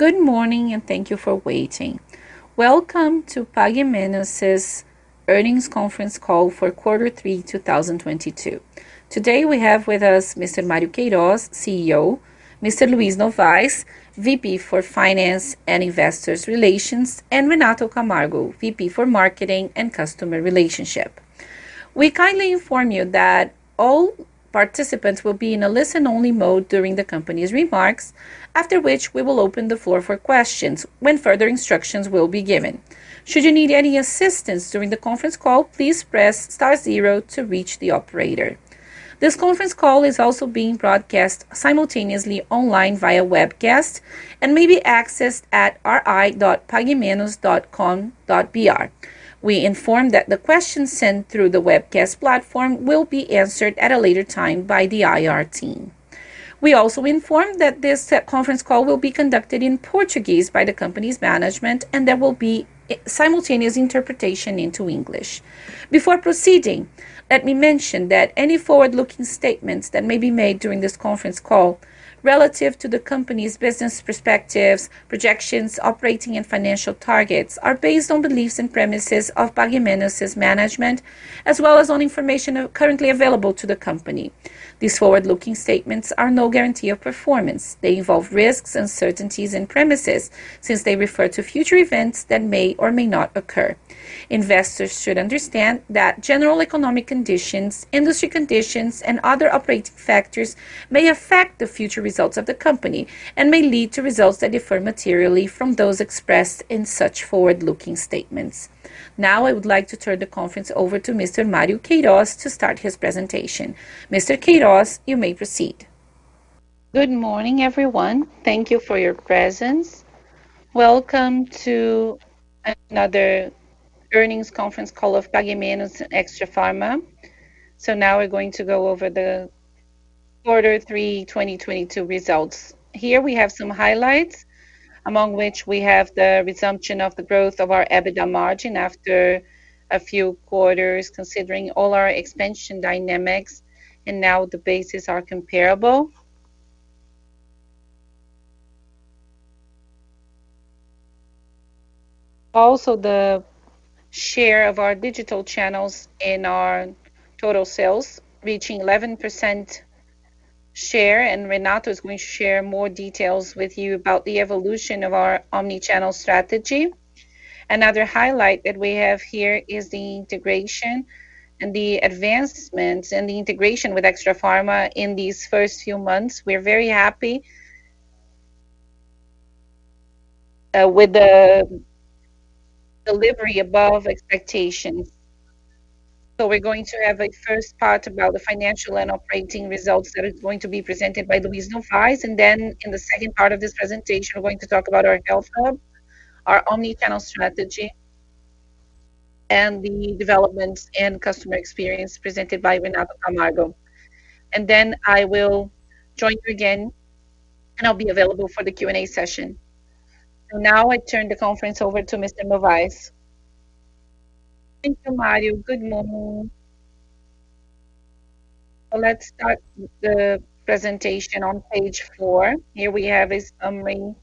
Good morning, and thank you for waiting. Welcome to Pague Menos' earnings conference call for Q3 2022. Today, we have with us Mr. Mário Queirós, CEO, Mr. Luiz Novais, VP for Finance and Investors Relations, and Renato Camargo, VP for Marketing and Customer Relationship. We kindly inform you that all participants will be in a listen only mode during the company's remarks, after which we will open the floor for questions when further instructions will be given. Should you need any assistance during the conference call, please press star zero to reach the operator. This conference call is also being broadcast simultaneously online via webcast and may be accessed at ri.paguemenos.com.br. We inform that the questions sent through the webcast platform will be answered at a later time by the IR team. We also inform that this conference call will be conducted in Portuguese by the company's management, and there will be a simultaneous interpretation into English. Before proceeding, let me mention that any forward-looking statements that may be made during this conference call relative to the company's business perspectives, projections, operating and financial targets are based on beliefs and premises of Pague Menos' management, as well as on information currently available to the company. These forward-looking statements are no guarantee of performance. They involve risks, uncertainties and premises, since they refer to future events that may or may not occur. Investors should understand that general economic conditions, industry conditions and other operating factors may affect the future results of the company and may lead to results that differ materially from those expressed in such forward-looking statements. Now, I would like to turn the conference over to Mr. Mário Queirós to start his presentation. Mr. Queirós, you may proceed. Good morning, everyone. Thank you for your presence. Welcome to another earnings conference call of Pague Menos Extrafarma. Now we're going to go over the Q3 2022 results. Here we have some highlights, among which we have the resumption of the growth of our EBITDA margin after a few quarters, considering all our expansion dynamics, and now the bases are comparable. Also, the share of our digital channels in our total sales reaching 11% share. Renato is going to share more details with you about the evolution of our omnichannel strategy. Another highlight that we have here is the integration and the advancements and the integration with Extrafarma in these first few months. We're very happy with the delivery above expectations. We're going to have a first part about the financial and operating results that are going to be presented by Luiz Novais. Then in the second part of this presentation, we're going to talk about our Health Hub, our omnichannel strategy and the development and customer experience presented by Renato Camargo. Then I will join you again, and I'll be available for the Q&A session. Now I turn the conference over to Mr. Novais. Thank you, Mário. Good morning. Let's start the presentation on page four. Here we have a summary.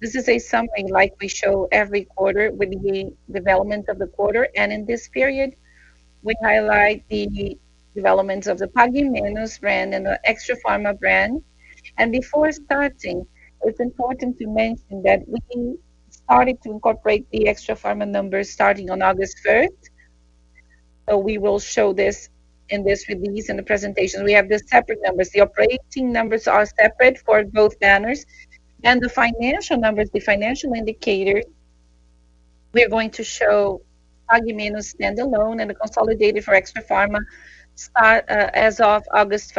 This is something like we show every quarter with the development of the quarter. In this period, we highlight the development of the Pague Menos brand and the Extrafarma brand. Before starting, it's important to mention that we started to incorporate the Extrafarma numbers starting on August first. We will show this in this release in the presentation. We have the separate numbers. The operating numbers are separate for both banners. Then the financial numbers, the financial indicator, we are going to show Pague Menos standalone and the consolidated for Extrafarma starting as of August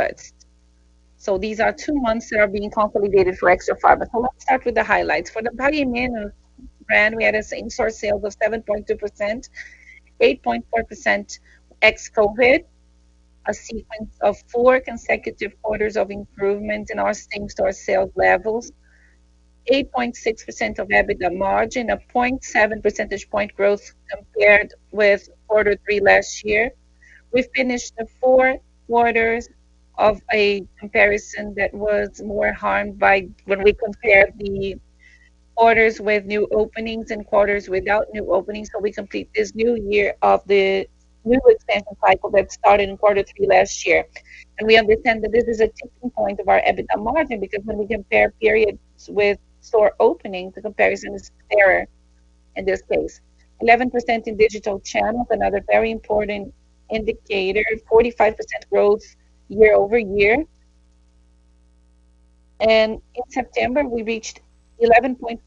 first. These are two months that are being consolidated for Extrafarma. Let's start with the highlights. For the Pague Menos brand, we had same-store sales of 7.2%, 8.4% ex-COVID, a sequence of four consecutive quarters of improvement in our same-store sales levels. 8.6% EBITDA margin, 0.7 percentage point growth compared with quarter three last year. We finished the four quarters of a comparison that was more harmed by when we compare the quarters with new openings and quarters without new openings. We complete this new year of the new expansion cycle that started in quarter three last year. We understand that this is a tipping point of our EBITDA margin, because when we compare periods with store openings, the comparison is fairer in this case. 11% in digital channels, another very important indicator. 45% growth year-over-year. In September, we reached 11.5%.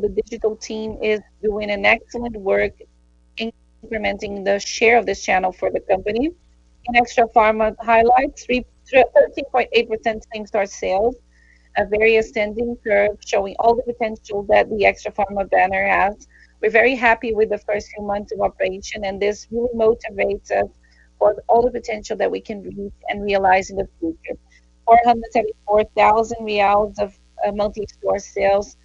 The digital team is doing an excellent work in implementing the share of this channel for the company. In Extrafarma highlights, 13.8% same-store sales, a very ascending curve showing all the potential that the Extrafarma banner has. We're very happy with the first few months of operation, and this will motivate us for all the potential that we can release and realize in the future. 474 thousand reais of multi-store sales.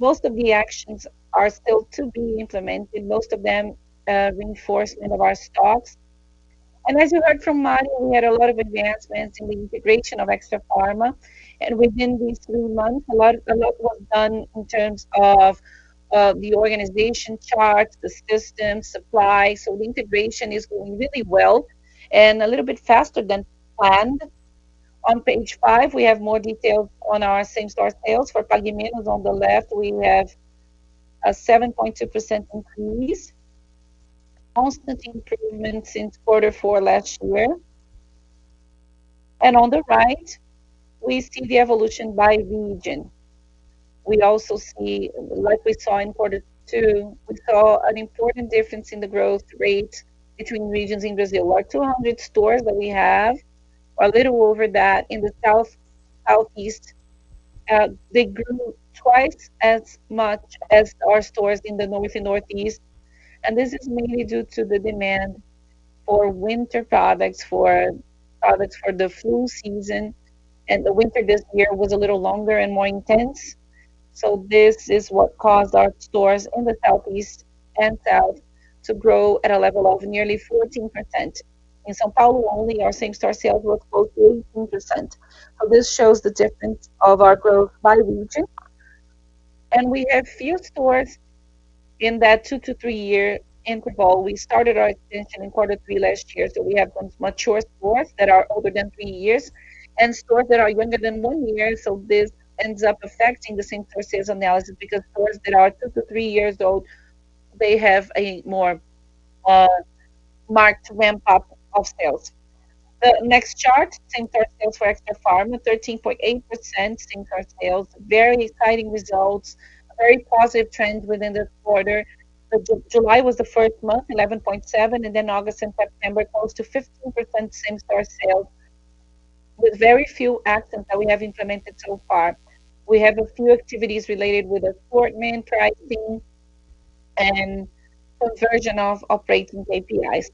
Most of the actions are still to be implemented, most of them, reinforcement of our stocks. As we heard from Mário, we had a lot of advancements in the integration of Extrafarma. Within these three months, a lot was done in terms of the organization charts, the systems, supply. The integration is going really well and a little bit faster than planned. On page five, we have more details on our same-store sales. For Pague Menos on the left, we have a 7.2% increase. Constant improvement since quarter four last year. On the right, we see the evolution by region. We also see, like we saw in quarter two, we saw an important difference in the growth rate between regions in Brazil. Our 200 stores that we have, or a little over that in the South, Southeast, they grew twice as much as our stores in the North and Northeast. This is mainly due to the demand for winter products, for products for the flu season. The winter this year was a little longer and more intense, so this is what caused our stores in the Southeast and South to grow at a level of nearly 14%. In São Paulo only, our same-store sales were close to 18%. This shows the difference of our growth by region. We have few stores in that 2-3 year interval. We started our expansion in quarter three last year, so we have some mature stores that are older than 3 years and stores that are younger than 1 year. This ends up affecting the same-store sales analysis because stores that are 2-3 years old, they have a more marked ramp-up of sales. The next chart, same-store sales for Extrafarma, 13.8% same-store sales. Very exciting results. A very positive trend within the quarter. July was the first month, 11.7%, and then August and September, close to 15% same-store sales with very few actions that we have implemented so far. We have a few activities related with assortment, pricing, and conversion of operating APIs.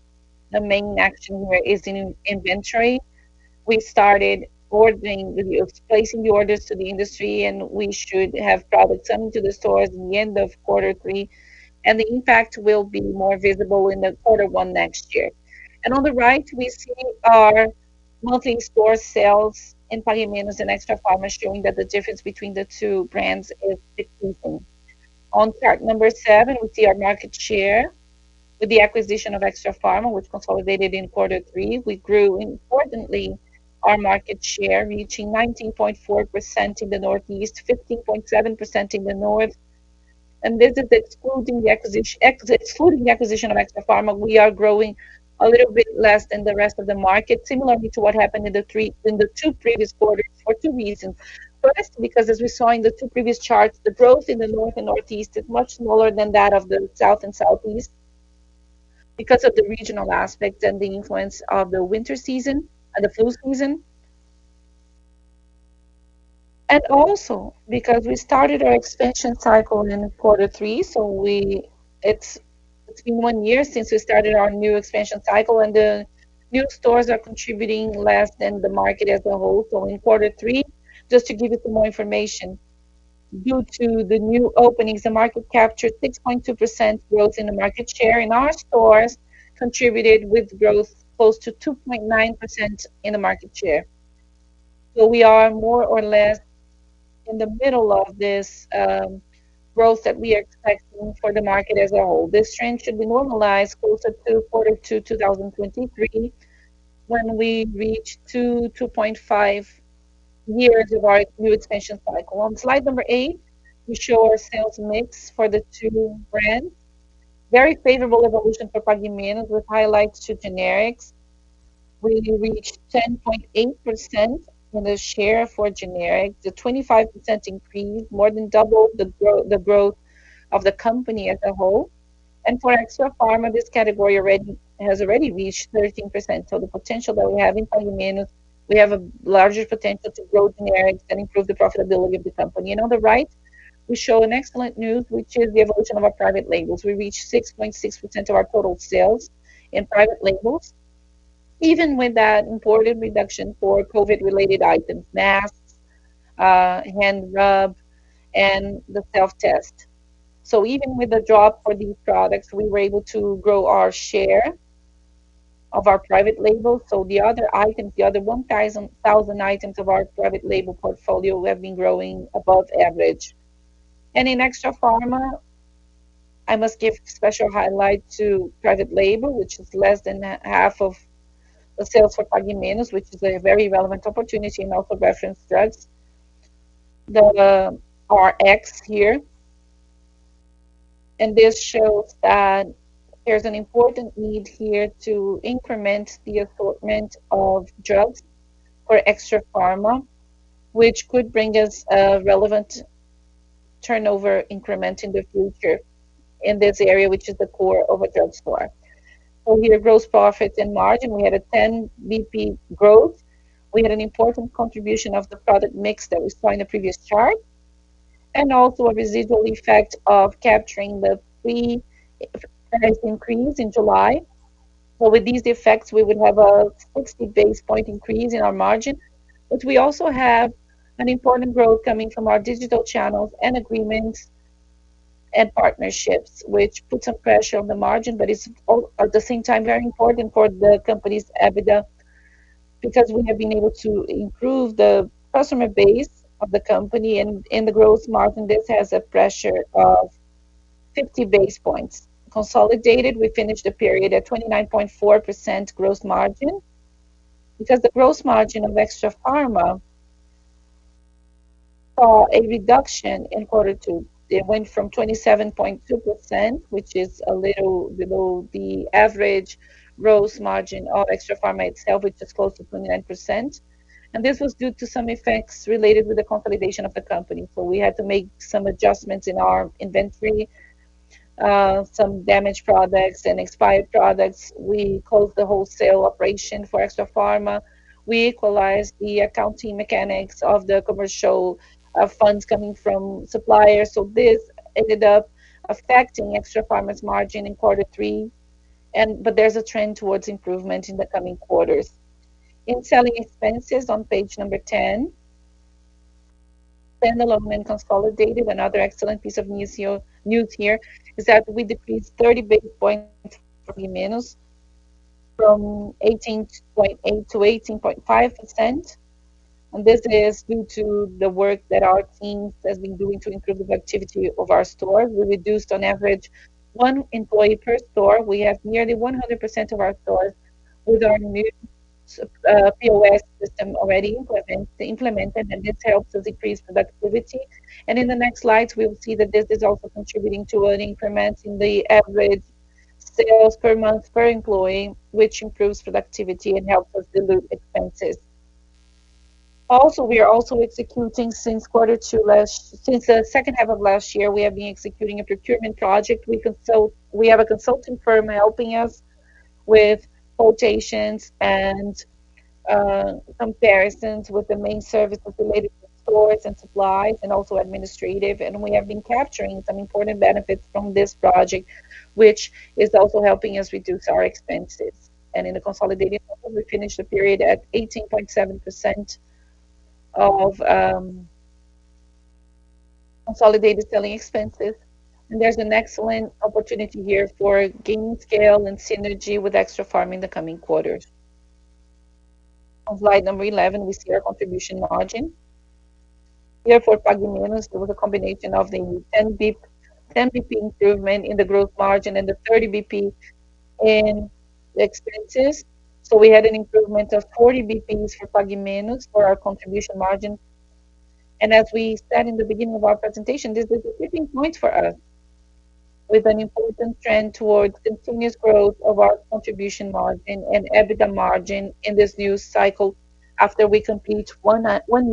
The main action here is in inventory. We started placing the orders to the industry, and we should have products coming to the stores in the end of quarter three, and the impact will be more visible in the quarter 1 next year. On the right, we see our same-store sales in Pague Menos and Extrafarma showing that the difference between the two brands is decreasing. On chart number seven, we see our market share. With the acquisition of Extrafarma, which consolidated in quarter three, we grew importantly our market share, reaching 19.4% in the Northeast, 15.7% in the North. This is excluding the acquisition of Extrafarma, we are growing a little bit less than the rest of the market, similarly to what happened in the two previous quarters for two reasons. First, because as we saw in the two previous charts, the growth in the North and Northeast is much smaller than that of the South and Southeast because of the regional aspect and the influence of the winter season and the flu season. Also because we started our expansion cycle in quarter three, it's been one year since we started our new expansion cycle, and the new stores are contributing less than the market as a whole. In quarter three, just to give you some more information, due to the new openings, the market captured 6.2% growth in the market share, and our stores contributed with growth close to 2.9% in the market share. We are more or less in the middle of this growth that we are expecting for the market as a whole. This trend should be normalized closer to quarter two 2023, when we reach 2.5 years of our new expansion cycle. On slide number 8, we show our sales mix for the two brands. Very favorable evolution for Pague Menos, with highlights to generics. We reached 10.8% in the share for generic. The 25% increase more than double the growth of the company as a whole. For Extrafarma, this category has already reached 13%. The potential that we have in Pague Menos, we have a larger potential to grow generics and improve the profitability of the company. On the right, we show an excellent news, which is the evolution of our private labels. We reached 6.6% of our total sales in private labels, even with that important reduction for COVID-related items: masks, hand rub, and the self-test. Even with the drop for these products, we were able to grow our share of our private labels. The other items, the other 1,000 items of our private label portfolio have been growing above average. In Extrafarma, I must give special highlight to private label, which is less than half of the sales for Pague Menos, which is a very relevant opportunity in off-reference drugs. The RX here. This shows that there's an important need here to increment the assortment of drugs for Extrafarma, which could bring us a relevant turnover increment in the future in this area, which is the core of a drug store. Over here, gross profit and margin, we had a 10 basis points growth. We had an important contribution of the product mix that we saw in the previous chart, and also a residual effect of capturing the fee that has increased in July. Well, with these effects, we would have a 60 basis point increase in our margin. We also have an important growth coming from our digital channels and agreements and partnerships, which put some pressure on the margin, but it's all at the same time, very important for the company's EBITDA, because we have been able to improve the customer base of the company and in the growth margin, this has a pressure of 50 basis points. Consolidated, we finished the period at 29.4% gross margin. Because the gross margin of Extrafarma saw a reduction in quarter two. It went from 27.2%, which is a little below the average gross margin of Extrafarma itself, which is close to 29%. This was due to some effects related with the consolidation of the company. We had to make some adjustments in our inventory, some damaged products and expired products. We closed the wholesale operation for Extrafarma. We equalized the accounting mechanics of the commercial funds coming from suppliers. This ended up affecting Extrafarma's margin in quarter three. There's a trend towards improvement in the coming quarters. In selling expenses on page 10, Pague Menos consolidated another excellent piece of news here is that we decreased 30 basis points for Pague Menos from 18.8% to 18.5%. This is due to the work that our team has been doing to improve the productivity of our stores. We reduced on average one employee per store. We have nearly 100% of our stores with our new POS system already implemented, and this helps us increase productivity. In the next slides, we will see that this is also contributing to an increment in the average sales per month per employee, which improves productivity and helps us dilute expenses. Also, we are also executing. Since the second half of last year, we have been executing a procurement project. We have a consulting firm helping us with quotations and comparisons with the main services related to stores and supplies and also administrative. We have been capturing some important benefits from this project, which is also helping us reduce our expenses. In the consolidated, we finished the period at 18.7% of consolidated selling expenses. There's an excellent opportunity here for gaining scale and synergy with Extrafarma in the coming quarters. On slide number 11, we see our contribution margin. Here for Pague Menos, there was a combination of the 10 basis points, 10 basis points improvement in the gross margin and the 30 basis points in the expenses. We had an improvement of 40 basis points for Pague Menos for our contribution margin. As we said in the beginning of our presentation, this is a tipping point for us with an important trend towards continuous growth of our contribution margin and EBITDA margin in this new cycle after we complete one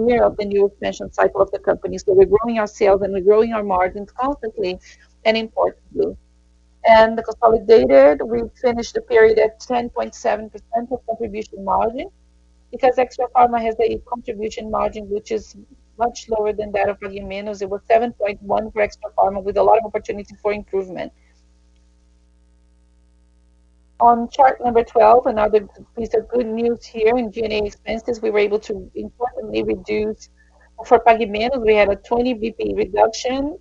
year of the new financial cycle of the company. We're growing our sales and we're growing our margins constantly and importantly. The consolidated, we finished the period at 10.7% contribution margin because Extrafarma has a contribution margin which is much lower than that of Pague Menos. It was 7.1 for Extrafarma with a lot of opportunity for improvement. On chart number 12, another piece of good news here. In G&A expenses, we were able to importantly reduce. For Pague Menos, we had a 20 basis points reduction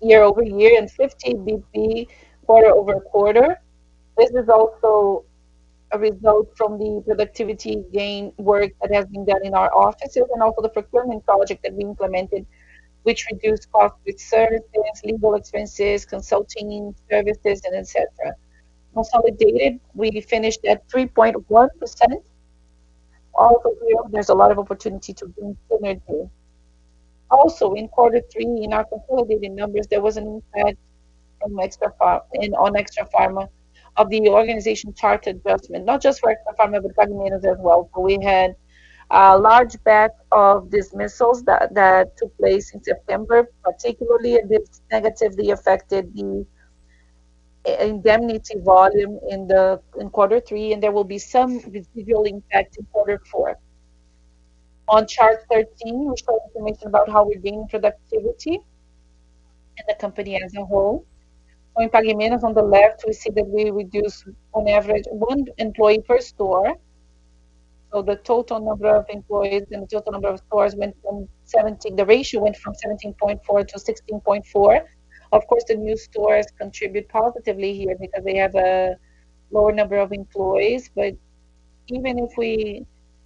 year-over-year and 50 basis points quarter-over-quarter. This is also a result from the productivity gain work that has been done in our offices and also the procurement project that we implemented, which reduced costs with services, legal expenses, consulting services and etc. Consolidated, we finished at 3.1%. Overall, there's a lot of opportunity to bring synergy. Also in quarter three, in our consolidated numbers, there was an impact on Extrafarma of the organization chart adjustment, not just for Extrafarma, but Pague Menos as well. We had a large batch of dismissals that took place in September, particularly this negatively affected the indemnity volume in quarter three, and there will be some residual impact in quarter four. On chart 13, we show information about how we're gaining productivity in the company as a whole. In Pague Menos on the left, we see that we reduced on average one employee per store. The ratio went from 17.4 to 16.4. Of course, the new stores contribute positively here because they have a lower number of employees. Even if we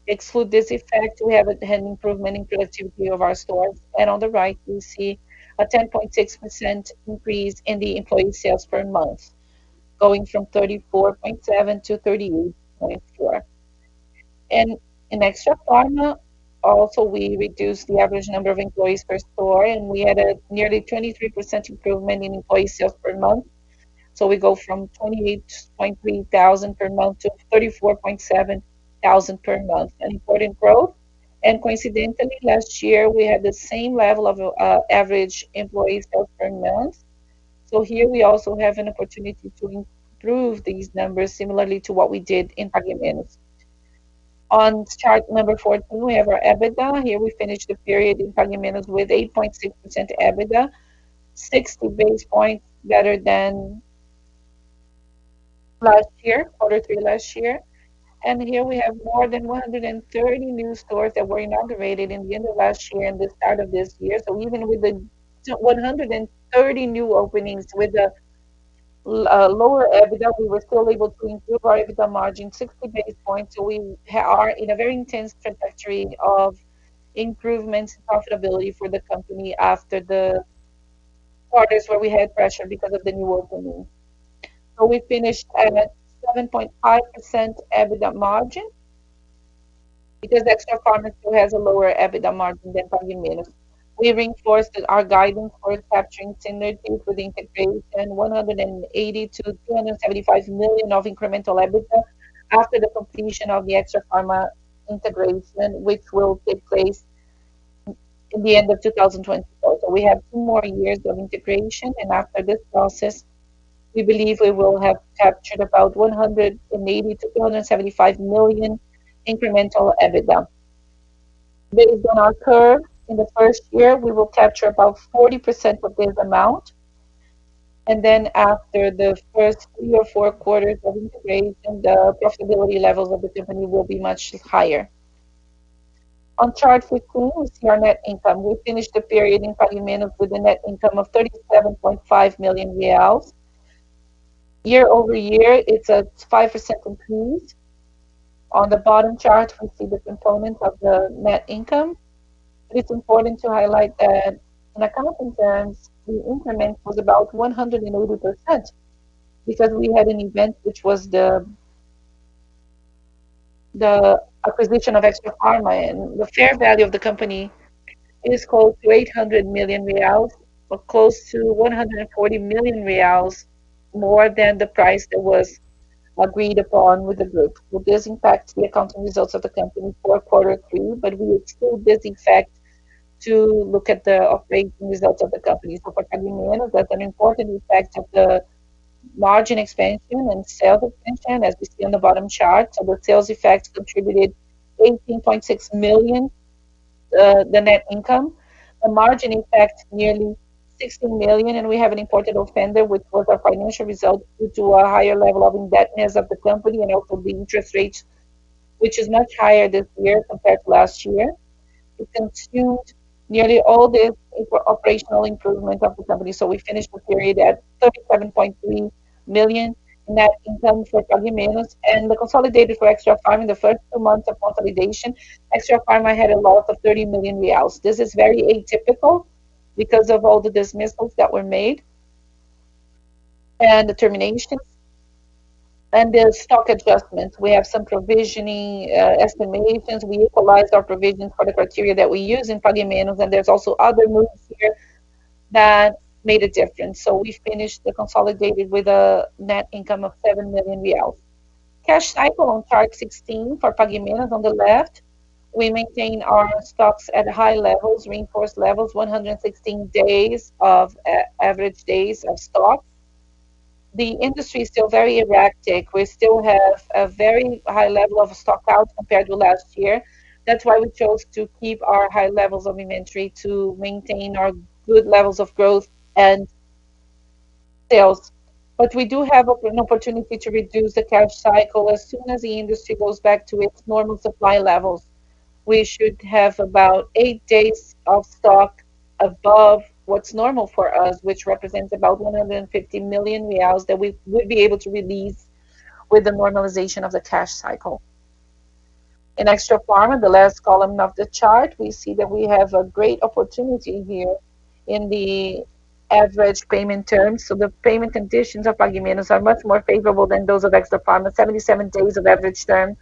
exclude this effect, we have an improvement in productivity of our stores. On the right we see a 10.6% increase in the employee sales per month, going from 34.7 to 38.4. In Extrafarma also, we reduced the average number of employees per store, and we had a nearly 23% improvement in employee sales per month. We go from 28.3 thousand per month to 34.7 thousand per month. An important growth. Coincidentally, last year we had the same level of average employee sales per month. Here we also have an opportunity to improve these numbers similarly to what we did in Pague Menos. On chart number 14, we have our EBITDA. Here we finished the period in Pague Menos with 8.6% EBITDA, 60 basis points better than last year, quarter three last year. Here we have more than 130 new stores that were inaugurated in the end of last year and the start of this year. Even with the 130 new openings, with the lower EBITDA, we were still able to improve our EBITDA margin 60 basis points. We are in a very intense trajectory of improvements and profitability for the company after the quarters where we had pressure because of the new opening. We finished at 7.5% EBITDA margin because the Extrafarma still has a lower EBITDA margin than Pague Menos. We reinforced that our guidance for capturing synergies with integration 180-275 million of incremental EBITDA after the completion of the Extrafarma integration, which will take place in the end of 2024. We have two more years of integration, and after this process, we believe we will have captured about 180-275 million incremental EBITDA. This is going to occur in the first year. We will capture about 40% of this amount. After the first three or four quarters of integration, the profitability levels of the company will be much higher. On chart 15, we see our net income. We finished the period in Pague Menos with a net income of 37.5 million reais. Year-over-year, it's at 5% improved. On the bottom chart, we see the component of the net income. It's important to highlight that in accounting terms, the increment was about 180% because we had an event which was the acquisition of Extrafarma. The fair value of the company is close to 800 million reais or close to 140 million reais more than the price that was agreed upon with the group. This impacts the accounting results of the company for quarter three, but we exclude this impact to look at the operating results of the company. For Pague Menos was an important impact of the margin expansion and sales expansion, as we see on the bottom chart. Our sales effects contributed 18.6 million to the net income. The margin impact, nearly 16 million, and we have an important offset with both our financial result due to a higher level of indebtedness of the company and also the interest rates, which is much higher this year compared to last year. It consumed nearly all the operational improvement of the company. We finished the period at 37.3 million net income for Pague Menos. The consolidated for Extrafarma in the first two months of consolidation, Extrafarma had a loss of 30 million reais. This is very atypical because of all the dismissals that were made and the terminations and the stock adjustments. We have some provisioning estimations. We utilize our provisions for the criteria that we use in Pague Menos, and there's also other moves here that made a difference. We finished the consolidated with a net income of 7 million reais. Cash cycle on chart 16 for Pague Menos on the left, we maintain our stocks at high levels, reinforced levels, 116 average days of stock. The industry is still very erratic. We still have a very high level of stock out compared to last year. That's why we chose to keep our high levels of inventory to maintain our good levels of growth and sales. We do have an opportunity to reduce the cash cycle. As soon as the industry goes back to its normal supply levels, we should have about 8 days of stock above what's normal for us, which represents about 150 million reais that we would be able to release with the normalization of the cash cycle. In Extrafarma, the last column of the chart, we see that we have a great opportunity here in the average payment terms. The payment conditions of Pague Menos are much more favorable than those of Extrafarma, 77 days of average term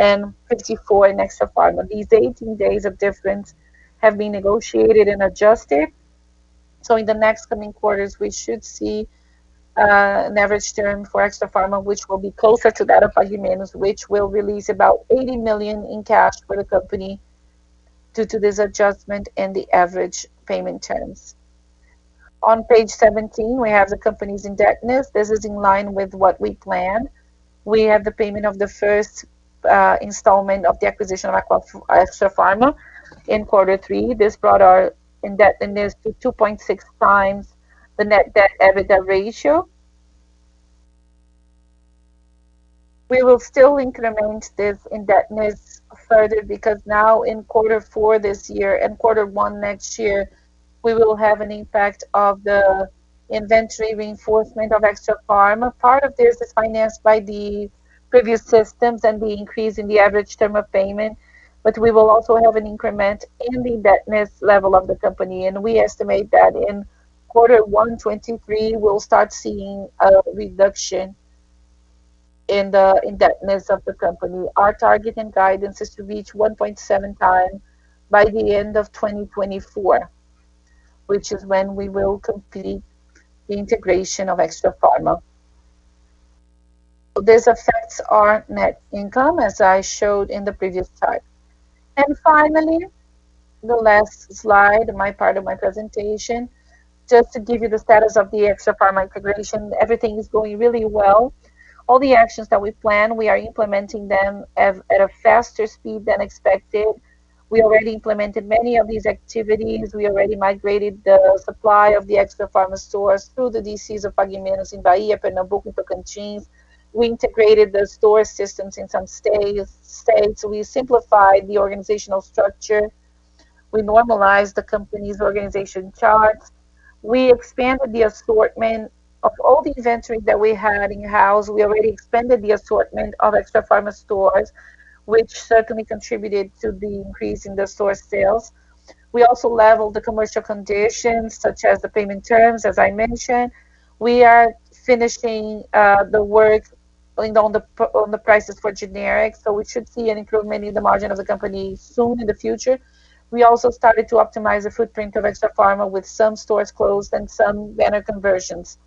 and 54 in Extrafarma. These 18 days of difference have been negotiated and adjusted. In the next coming quarters, we should see an average term for Extrafarma, which will be closer to that of Pague Menos, which will release about 80 million in cash for the company due to this adjustment and the average payment terms. On page 17, we have the company's indebtedness. This is in line with what we planned. We have the payment of the first installment of the acquisition of Extrafarma in quarter three. This brought our indebtedness to 2.6x the Net Debt/EBITDA ratio. We will still increment this indebtedness further because now in quarter four this year and quarter one next year, we will have an impact of the inventory reinforcement of Extrafarma. Part of this is financed by the previous systems and the increase in the average term of payment, but we will also have an increment in the indebtedness level of the company. We estimate that in quarter one 2023, we'll start seeing a reduction in the indebtedness of the company. Our target and guidance is to reach 1.7x by the end of 2024, which is when we will complete the integration of Extrafarma. This affects our net income, as I showed in the previous chart. Finally, the last slide, my part of my presentation. Just to give you the status of the Extrafarma integration, everything is going really well. All the actions that we plan, we are implementing them at a faster speed than expected. We already implemented many of these activities. We already migrated the supply of the Extrafarma stores through the DCs of Pague Menos in Bahia, Pernambuco, and Ceará. We integrated the store systems in some states. We simplified the organizational structure. We normalized the company's organization charts. We expanded the assortment. Of all the inventory that we had in-house, we already expanded the assortment of Extrafarma stores, which certainly contributed to the increase in the store sales. We also leveled the commercial conditions, such as the payment terms, as I mentioned. We are finishing the work on the prices for generics, so we should see an improvement in the margin of the company soon in the future. We also started to optimize the footprint of Extrafarma with some stores closed and some banner conversions.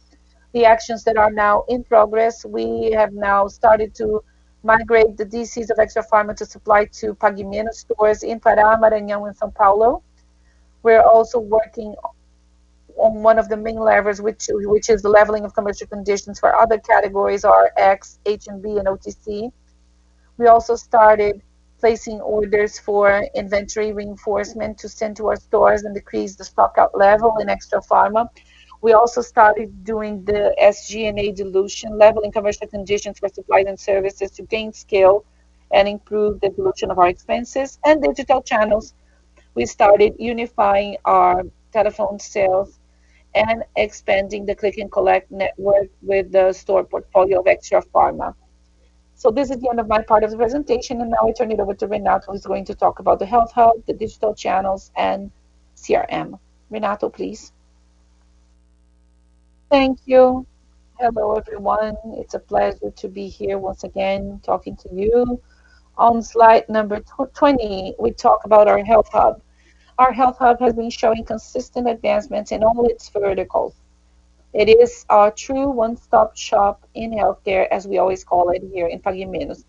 The actions that are now in progress, we have now started to migrate the DCs of Extrafarma to supply to Pague Menos stores in Pará, Maranhão, and São Paulo. We're also working on one of the main levers, which is the leveling of commercial conditions for other categories, RX, H&B, and OTC. We also started placing orders for inventory reinforcement to send to our stores and decrease the stockout level in Extrafarma. We also started doing the SG&A dilution, leveling commercial conditions for supply and services to gain scale and improve the dilution of our expenses. Digital channels, we started unifying our telephone sales and expanding the click-and-collect network with the store portfolio of Extrafarma. This is the end of my part of the presentation. Now I turn it over to Renato, who's going to talk about the Health Hub, the digital channels, and CRM. Renato, please. Thank you. Hello, everyone. It's a pleasure to be here once again talking to you. On slide number 20, we talk about our Health Hub. Our Health Hub has been showing consistent advancements in all its verticals. It is our true one-stop shop in healthcare, as we always call it here in Pague Menos.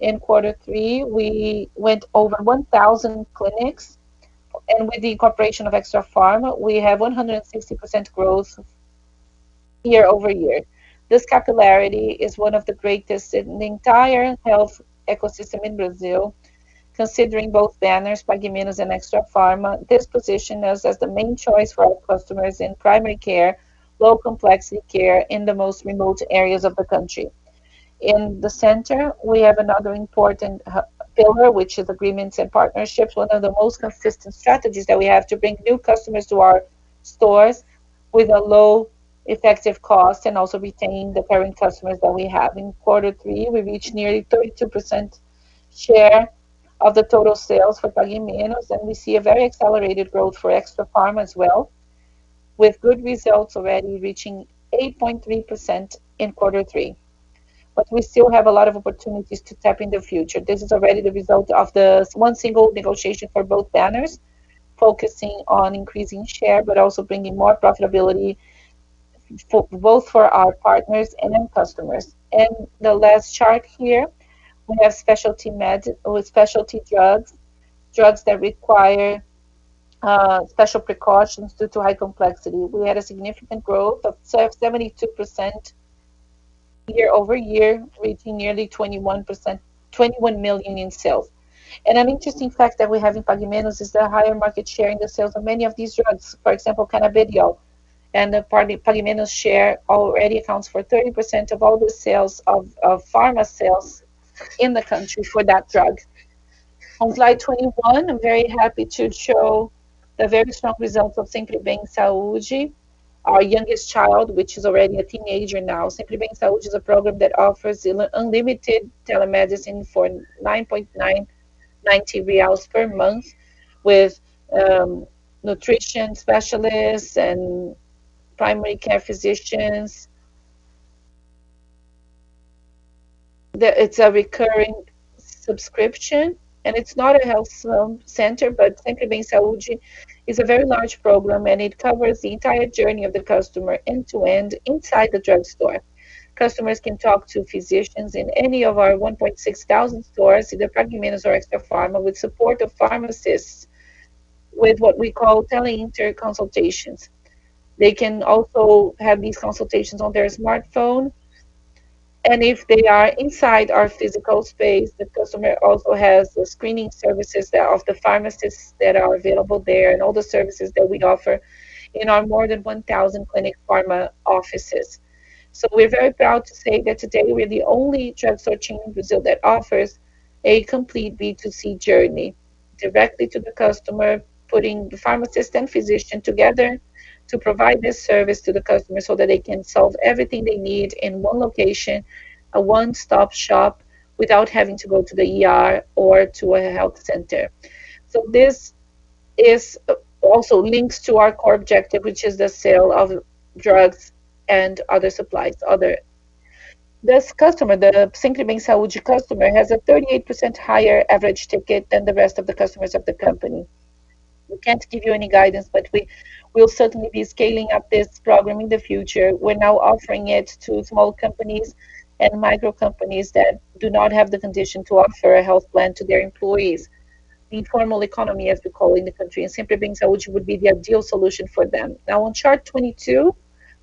In quarter three, we went over 1,000 clinics, and with the incorporation of Extrafarma, we have 160% growth year-over-year. This popularity is one of the greatest in the entire health ecosystem in Brazil, considering both banners, Pague Menos and Extrafarma. This position as the main choice for our customers in primary care, low complexity care in the most remote areas of the country. In the center, we have another important pillar, which is agreements and partnerships, one of the most consistent strategies that we have to bring new customers to our stores with a low effective cost and also retaining the current customers that we have. In quarter three, we reached nearly 32% share of the total sales for Pague Menos, and we see a very accelerated growth for Extrafarma as well, with good results already reaching 8.3% in quarter three. We still have a lot of opportunities to tap in the future. This is already the result of the one single negotiation for both banners, focusing on increasing share, but also bringing more profitability both for our partners and end customers. The last chart here, we have with specialty drugs that require special precautions due to high complexity. We had a significant growth of 72% year-over-year, reaching nearly 21 million in sales. An interesting fact that we have in Pague Menos is the higher market share in the sales of many of these drugs, for example, Canabidiol. The Pague Menos share already accounts for 30% of all the sales of pharma sales in the country for that drug. On slide 21, I'm very happy to show the very strong results of Sempre Bem Saúde, our youngest child, which is already a teenager now. Sempre Bem Saúde is a program that offers unlimited telemedicine for 9.99 reais per month with nutrition specialists and primary care physicians. It's a recurring subscription, and it's not a health center, but Sempre Bem Saúde is a very large program, and it covers the entire journey of the customer end to end inside the drugstore. Customers can talk to physicians in any of our 1,600 stores, either Pague Menos or Extrafarma, with support of pharmacists, with what we call teleinterconsultations. They can also have these consultations on their smartphone. If they are inside our physical space, the customer also has the screening services there of the pharmacists that are available there and all the services that we offer in our more than 1,000 Clinic Farma offices. We're very proud to say that today we're the only drugstore chain in Brazil that offers a complete B2C journey directly to the customer, putting the pharmacist and physician together to provide this service to the customer so that they can solve everything they need in one location, a one-stop shop without having to go to the ER or to a health center. This also links to our core objective, which is the sale of drugs and other supplies. This customer, the Sempre Bem Saúde customer, has a 38% higher average ticket than the rest of the customers of the company. We can't give you any guidance, but we will certainly be scaling up this program in the future. We're now offering it to small companies and micro companies that do not have the condition to offer a health plan to their employees. The informal economy, as we call in the country, and Sempre Bem, which would be the ideal solution for them. Now on chart 22,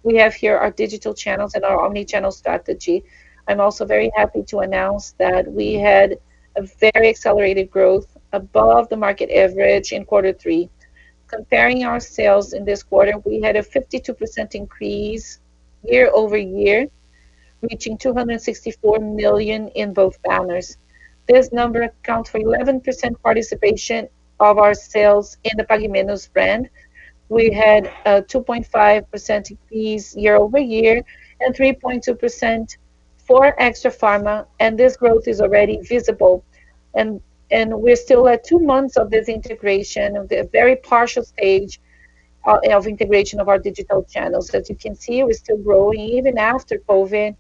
we have here our digital channels and our omnichannel strategy. I'm also very happy to announce that we had a very accelerated growth above the market average in quarter three. Comparing our sales in this quarter, we had a 52% increase year-over-year, reaching 264 million in both banners. This number accounts for 11% participation of our sales in the Pague Menos brand. We had a 2.5% increase year-over-year and 3.2% for Extrafarma, and this growth is already visible. We're still at 2 months of this integration, of the very partial stage, of integration of our digital channels. As you can see, we're still growing even after COVID.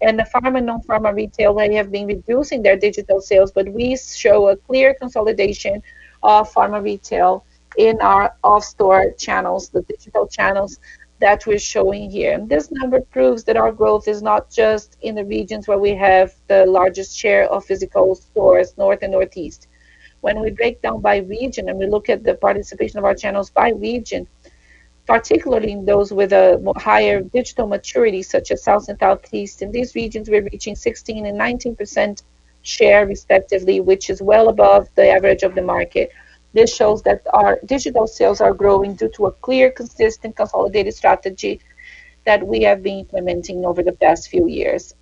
The pharma, non-pharma retail, they have been reducing their digital sales, but we show a clear consolidation of pharma retail in our off-store channels, the digital channels that we're showing here. This number proves that our growth is not just in the regions where we have the largest share of physical stores, North and Northeast. When we break down by region and we look at the participation of our channels by region, particularly in those with a higher digital maturity, such as South and Southeast. In these regions, we're reaching 16% and 19% share respectively, which is well above the average of the market. This shows that our digital sales are growing due to a clear, consistent, consolidated strategy that we have been implementing over the past few years.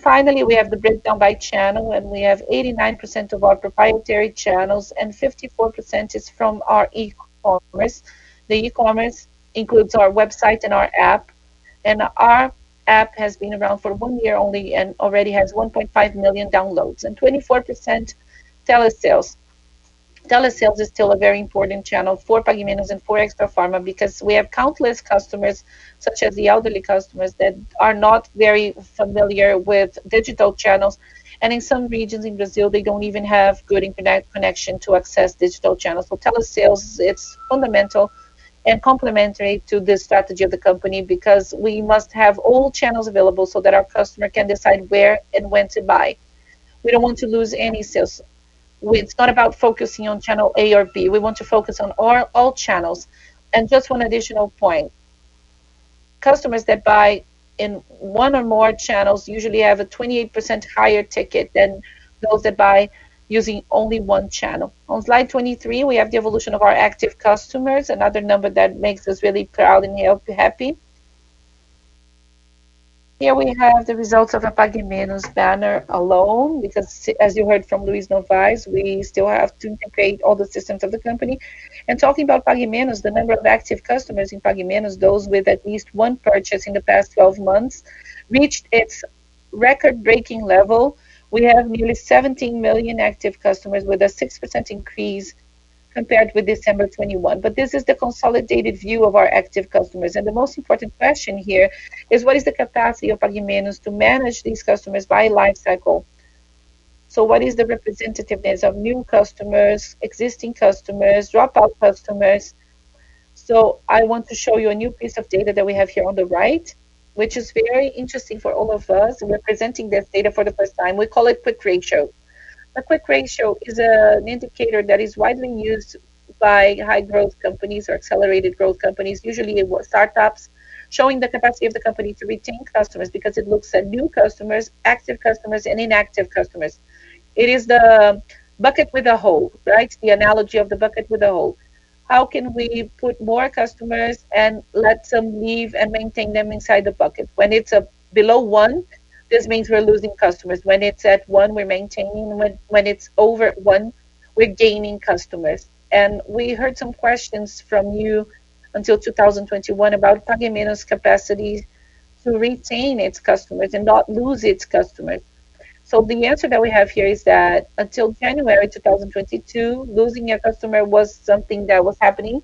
Finally, we have the breakdown by channel, and we have 89% of our proprietary channels and 54% is from our e-commerce. The e-commerce includes our website and our app. Our app has been around for one year only and already has 1.5 million downloads. 24% telesales. Telesales is still a very important channel for Pague Menos and for Extrafarma because we have countless customers, such as the elderly customers, that are not very familiar with digital channels. In some regions in Brazil, they don't even have good internet connection to access digital channels. Telesales, it's fundamental and complementary to the strategy of the company because we must have all channels available so that our customer can decide where and when to buy. We don't want to lose any sales. It's not about focusing on channel A or B. We want to focus on all channels. Just one additional point. Customers that buy in one or more channels usually have a 28% higher ticket than those that buy using only one channel. On slide 23, we have the evolution of our active customers, another number that makes us really proud and happy. Here we have the results of a Pague Menos banner alone, because as you heard from Luiz Novais, we still have to integrate all the systems of the company. Talking about Pague Menos, the number of active customers in Pague Menos, those with at least one purchase in the past twelve months, reached its record-breaking level. We have nearly 17 million active customers with a 6% increase compared with December 2021. This is the consolidated view of our active customers. The most important question here is what is the capacity of Pague Menos to manage these customers by life cycle? What is the representativeness of new customers, existing customers, dropout customers? I want to show you a new piece of data that we have here on the right, which is very interesting for all of us. We're presenting this data for the first time. We call it quick ratio. A quick ratio is an indicator that is widely used by high growth companies or accelerated growth companies, usually by startups, showing the capacity of the company to retain customers because it looks at new customers, active customers, and inactive customers. It is the bucket with a hole, right. The analogy of the bucket with a hole. How can we put more customers and let some leave and maintain them inside the bucket? When it's below 1, this means we're losing customers. When it's at 1, we're maintaining. When it's over 1, we're gaining customers. We heard some questions from you until 2021 about Pague Menos capacity to retain its customers and not lose its customers. The answer that we have here is that until January 2022, losing a customer was something that was happening.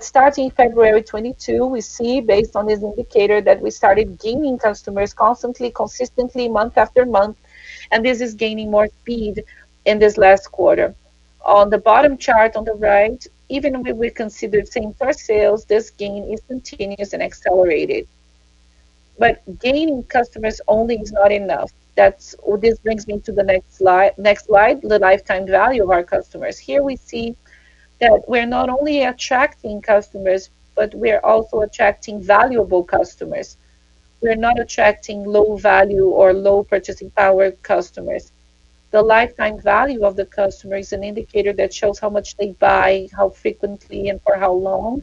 Starting February 2022, we see based on this indicator that we started gaining customers constantly, consistently month after month, and this is gaining more speed in this last quarter. On the bottom chart on the right, even when we consider same-store sales, this gain is continuous and accelerated. Gaining customers only is not enough. This brings me to the next slide, the lifetime value of our customers. Here we see that we're not only attracting customers, but we're also attracting valuable customers. We're not attracting low value or low purchasing power customers. The lifetime value of the customer is an indicator that shows how much they buy, how frequently, and for how long.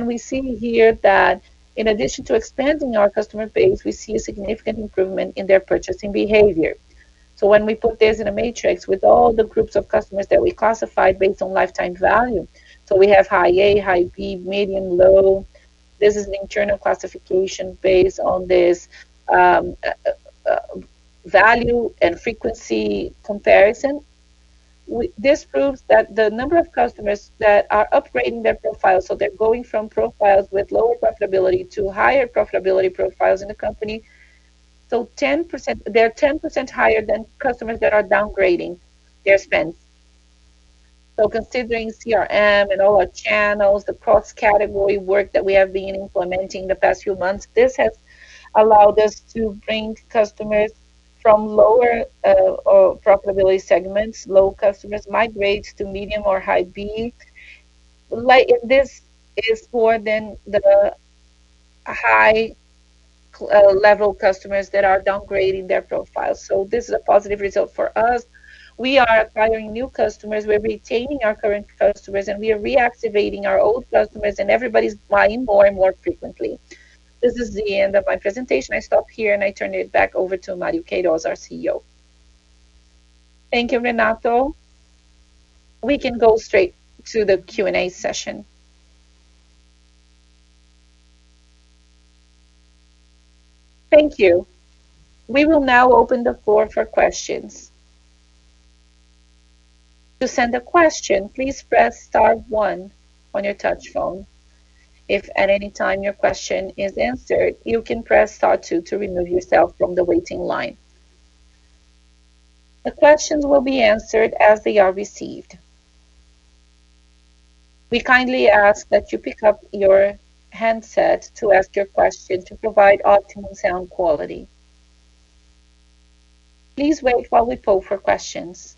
We see here that in addition to expanding our customer base, we see a significant improvement in their purchasing behavior. When we put this in a matrix with all the groups of customers that we classified based on lifetime value, we have high A, high B, medium, low. This is an internal classification based on this value and frequency comparison. This proves that the number of customers that are upgrading their profile, so they're going from profiles with lower profitability to higher profitability profiles in the company. They're 10% higher than customers that are downgrading their spend. Considering CRM and all our channels, the cross-category work that we have been implementing the past few months, this has allowed us to bring customers from lower profitability segments. Low customers migrate to medium or high B. Like, this is more than the high level customers that are downgrading their profiles. This is a positive result for us. We are acquiring new customers, we're retaining our current customers, and we are reactivating our old customers, and everybody's buying more and more frequently. This is the end of my presentation. I stop here, and I turn it back over to Mário Queirós, our CEO. Thank you, Renato. We can go straight to the Q&A session. Thank you. We will now open the floor for questions. To send a question, please press star one on your touch-tone phone. If at any time your question is answered, you can press star two to remove yourself from the waiting line. The questions will be answered as they are received. We kindly ask that you pick up your handset to ask your question to provide optimal sound quality. Please wait while we poll for questions.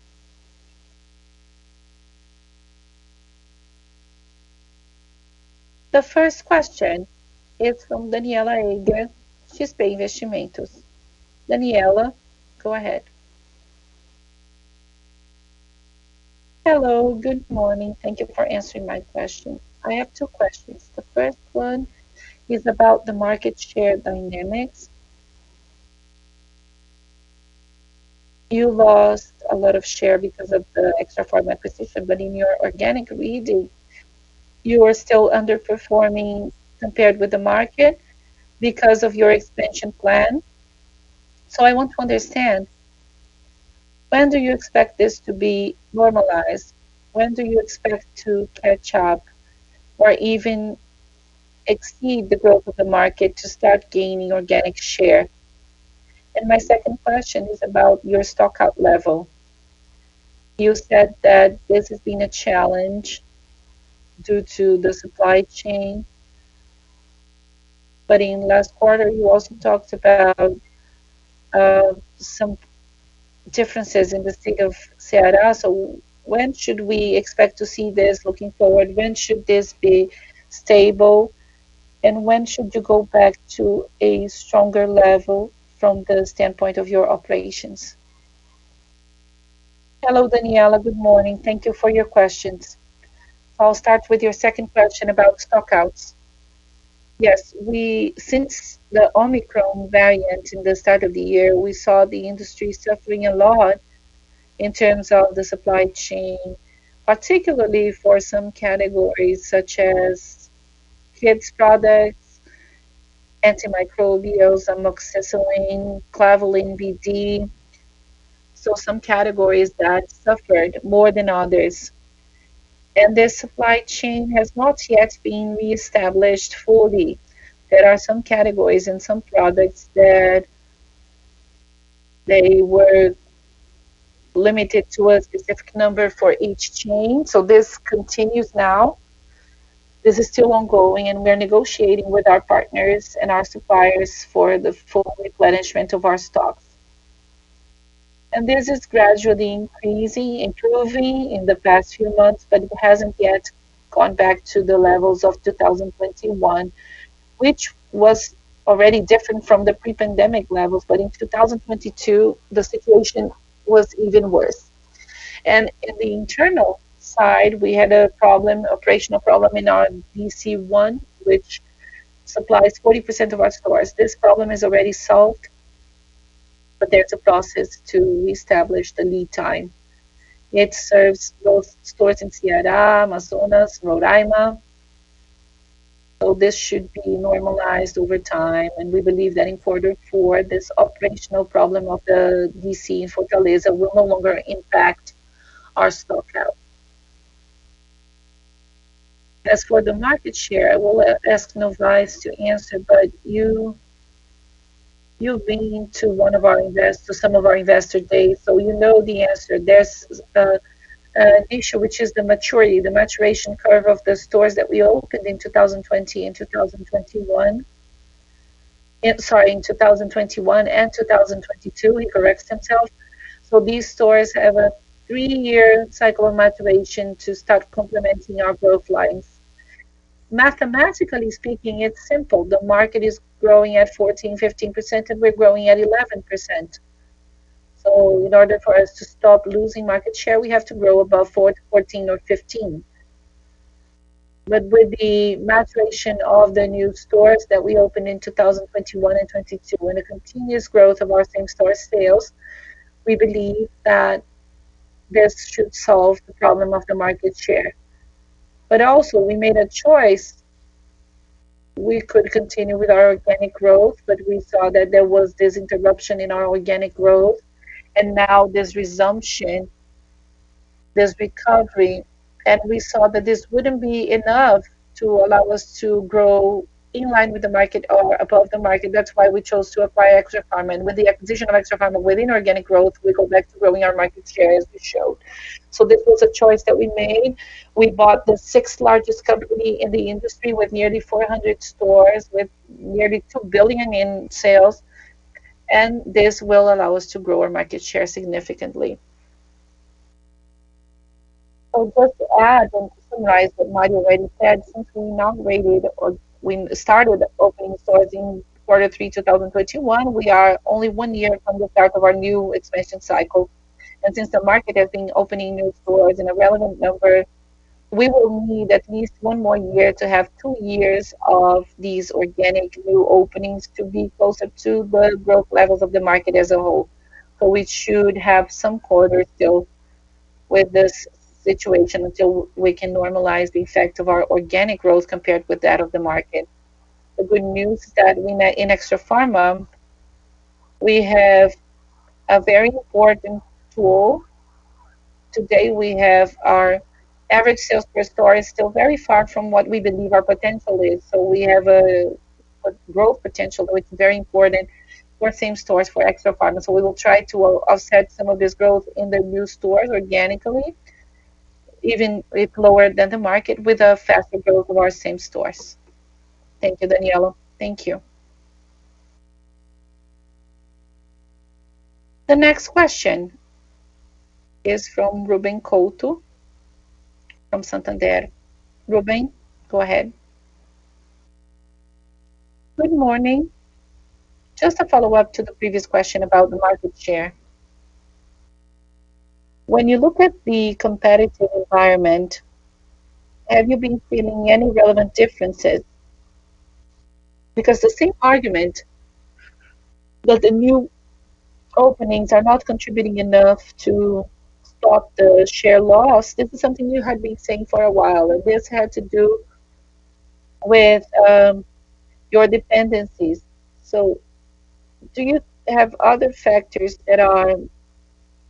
The first question is from Daniela Agra. She's Banco Investimentos. Daniela, go ahead. Hello. Good morning. Thank you for answering my question. I have two questions. The first one is about the market share dynamics. You lost a lot of share because of the Extrafarma acquisition, but in your organic reading, you are still underperforming compared with the market because of your expansion plan. I want to understand, when do you expect this to be normalized? When do you expect to catch up or even exceed the growth of the market to start gaining organic share? And my second question is about your stockout level. You said that this has been a challenge due to the supply chain. In last quarter, you also talked about some differences in the state of Ceará. When should we expect to see this looking forward? When should this be stable, and when should you go back to a stronger level from the standpoint of your operations? Hello, Daniela. Good morning. Thank you for your questions. I'll start with your second question about stockouts. Yes. Since the Omicron variant in the start of the year, we saw the industry suffering a lot in terms of the supply chain, particularly for some categories such as kids products, antimicrobials, amoxicillin, Clavulin BD. Some categories that suffered more than others. The supply chain has not yet been reestablished fully. There are some categories and some products that they were limited to a specific number for each chain. This continues now. This is still ongoing, and we're negotiating with our partners and our suppliers for the full replenishment of our stock. This is gradually increasing, improving in the past few months, but it hasn't yet gone back to the levels of 2021, which was already different from the pre-pandemic levels. In 2022, the situation was even worse. On the internal side, we had a problem, operational problem in our DC one, which supplies 40% of our stores. This problem is already solved, but there's a process to reestablish the lead time. It serves both stores in Ceará, Amazonas, Roraima. This should be normalized over time, and we believe that in quarter four, this operational problem of the DC in Fortaleza will no longer impact our stockout. As for the market share, I will ask Novais to answer, but you've been to one of our invest-- to some of our Investor Days, so you know the answer. There's an issue which is the maturity, the maturation curve of the stores that we opened in 2021 and 2022. These stores have a three-year cycle of maturation to start complementing our growth lines. Mathematically speaking, it's simple. The market is growing at 14%-15%, and we're growing at 11%. In order for us to stop losing market share, we have to grow above 14% or 15%. With the maturation of the new stores that we opened in 2021 and 2022 and a continuous growth of our same-store sales, we believe that this should solve the problem of the market share. Also, we made a choice. We could continue with our organic growth, but we saw that there was this interruption in our organic growth and now this resumption. This recovery, and we saw that this wouldn't be enough to allow us to grow in line with the market or above the market. That's why we chose to acquire Extrafarma. With the acquisition of Extrafarma within organic growth, we go back to growing our market share as we showed. This was a choice that we made. We bought the sixth-largest company in the industry with nearly 400 stores, with nearly 2 billion in sales, and this will allow us to grow our market share significantly. Just to add and to summarize what Mário already said, since we inaugurated or we started opening stores in Q3 2021, we are only one year from the start of our new expansion cycle. Since the market has been opening new stores in a relevant number, we will need at least one more year to have two years of these organic new openings to be closer to the growth levels of the market as a whole. We should have some quarters still with this situation until we can normalize the effect of our organic growth compared with that of the market. The good news is that in Extrafarma, we have a very important tool. Today, we have our average sales per store is still very far from what we believe our potential is. We have a growth potential that is very important for same stores for Extrafarma. We will try to offset some of this growth in the new stores organically, even if lower than the market, with a faster growth of our same stores. Thank you, Daniela. Thank you. The next question is from Ruben Couto from Santander. Ruben, go ahead. Good morning. Just a follow-up to the previous question about the market share. When you look at the competitive environment, have you been feeling any relevant differences? Because the same argument that the new openings are not contributing enough to stop the share loss, this is something you had been saying for a while, and this had to do with your dependencies. Do you have other factors that are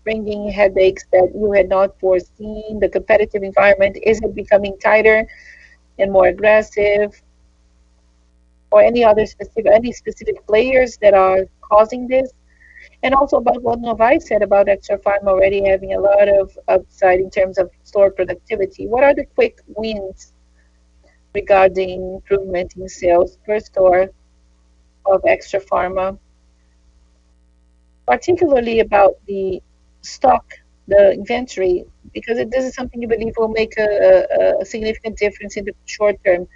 bringing headaches that you had not foreseen? The competitive environment, is it becoming tighter and more aggressive? Or any other specific players that are causing this? Also about what Novais said about Extrafarma already having a lot of upside in terms of store productivity. What are the quick wins regarding improvement in sales per store of Extrafarma, particularly about the stock, the inventory, because this is something you believe will make a significant difference in the short term.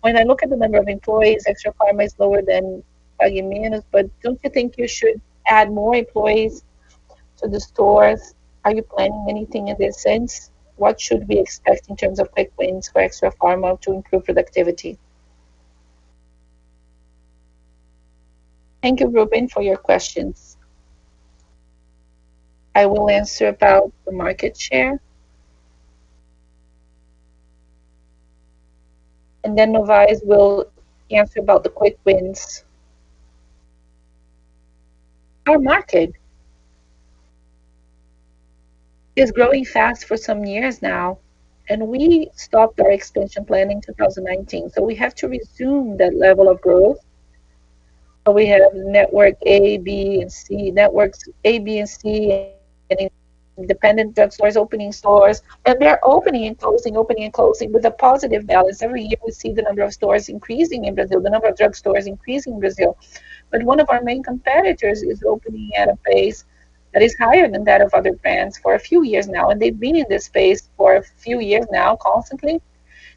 When I look at the number of employees, Extrafarma is lower than Drogasil, but don't you think you should add more employees to the stores? Are you planning anything in this sense? What should we expect in terms of quick wins for Extrafarma to improve productivity? Thank you, Ruben, for your questions. I will answer about the market share. Then Novais will answer about the quick wins. Our market is growing fast for some years now, and we stopped our expansion plan in 2019. We have to resume that level of growth. We have network A, B, and C. Networks A, B, and C, independent drugstores opening stores, and they're opening and closing, opening and closing with a positive balance. Every year, we see the number of stores increasing in Brazil, the number of drugstores increase in Brazil. One of our main competitors is opening at a pace that is higher than that of other brands for a few years now, and they've been in this space for a few years now constantly.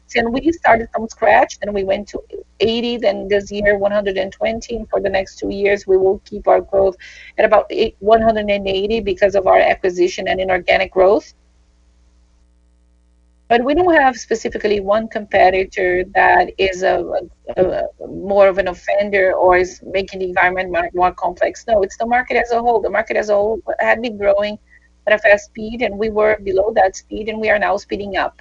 Since we started from scratch, then we went to 80, then this year 120. For the next two years, we will keep our growth at about 180 because of our acquisition and inorganic growth. We don't have specifically one competitor that is more of an offender or is making the environment more complex. No, it's the market as a whole. The market as a whole had been growing at a fast speed, and we were below that speed, and we are now speeding up.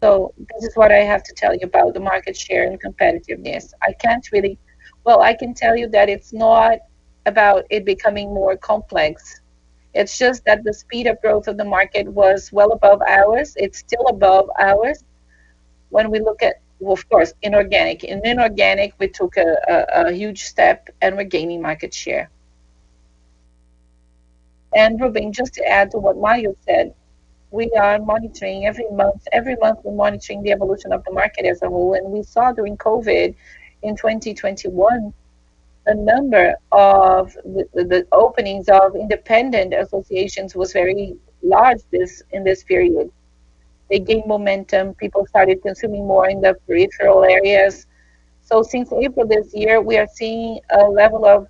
This is what I have to tell you about the market share and competitiveness. I can't really. Well, I can tell you that it's not about it becoming more complex. It's just that the speed of growth of the market was well above ours. It's still above ours when we look at, well, of course, inorganic. In inorganic, we took a huge step and we're gaining market share. Ruben, just to add to what Mário said, we are monitoring every month. Every month, we're monitoring the evolution of the market as a whole. We saw during COVID in 2021, a number of the openings of independent associations was very large in this period. They gained momentum. People started consuming more in the peripheral areas. Since April this year, we are seeing a level of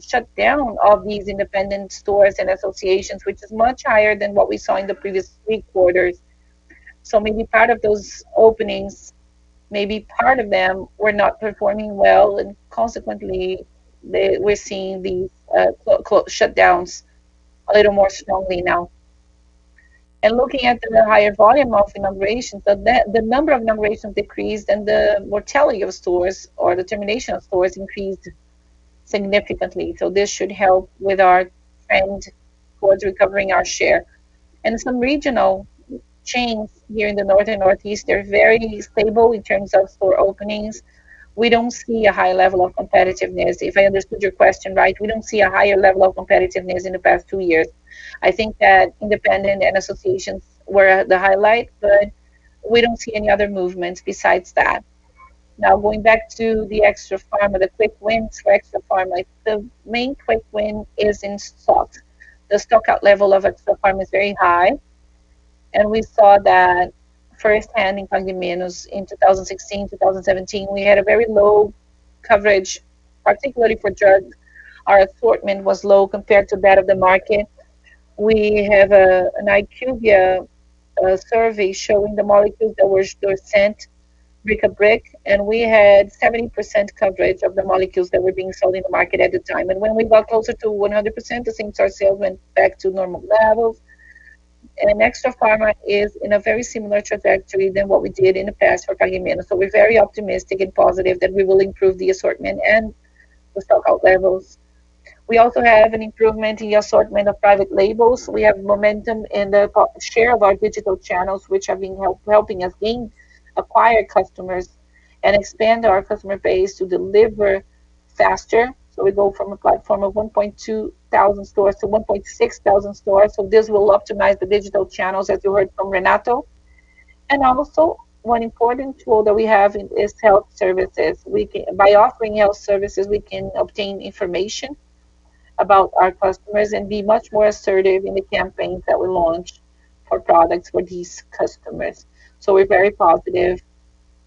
shutdown of these independent stores and associations, which is much higher than what we saw in the previous three quarters. Maybe part of those openings, maybe part of them were not performing well, and consequently, we're seeing these shutdowns a little more strongly now. Looking at the higher volume of inaugurations, the number of inaugurations decreased and the mortality of stores or the termination of stores increased significantly. This should help with our trend towards recovering our share. Some regional chains here in the North and Northeast, they're very stable in terms of store openings. We don't see a high level of competitiveness. If I understood your question right, we don't see a higher level of competitiveness in the past two years. I think that independent and associations were the highlight, but we don't see any other movements besides that. Now, going back to the Extrafarma, the quick wins for Extrafarma. Like, the main quick win is in stock. The stockout level of Extrafarma is very high, and we saw that firsthand in Pague Menos in 2016, 2017. We had a very low coverage, particularly for drugs. Our assortment was low compared to that of the market. We have an IQVIA survey showing the molecules that were sent brick-and-mortar, and we had 70% coverage of the molecules that were being sold in the market at the time. When we got closer to 100%, the same-store sales went back to normal levels. Extrafarma is in a very similar trajectory than what we did in the past for Pague Menos. We're very optimistic and positive that we will improve the assortment and the stockout levels. We also have an improvement in the assortment of private labels. We have momentum in the our share of our digital channels, which have been helping us gain acquired customers and expand our customer base to deliver faster. We go from a platform of 1,200 stores to 1,600 stores. This will optimize the digital channels as you heard from Renato. One important tool that we have is health services. By offering health services, we can obtain information about our customers and be much more assertive in the campaigns that we launch for products for these customers. We're very positive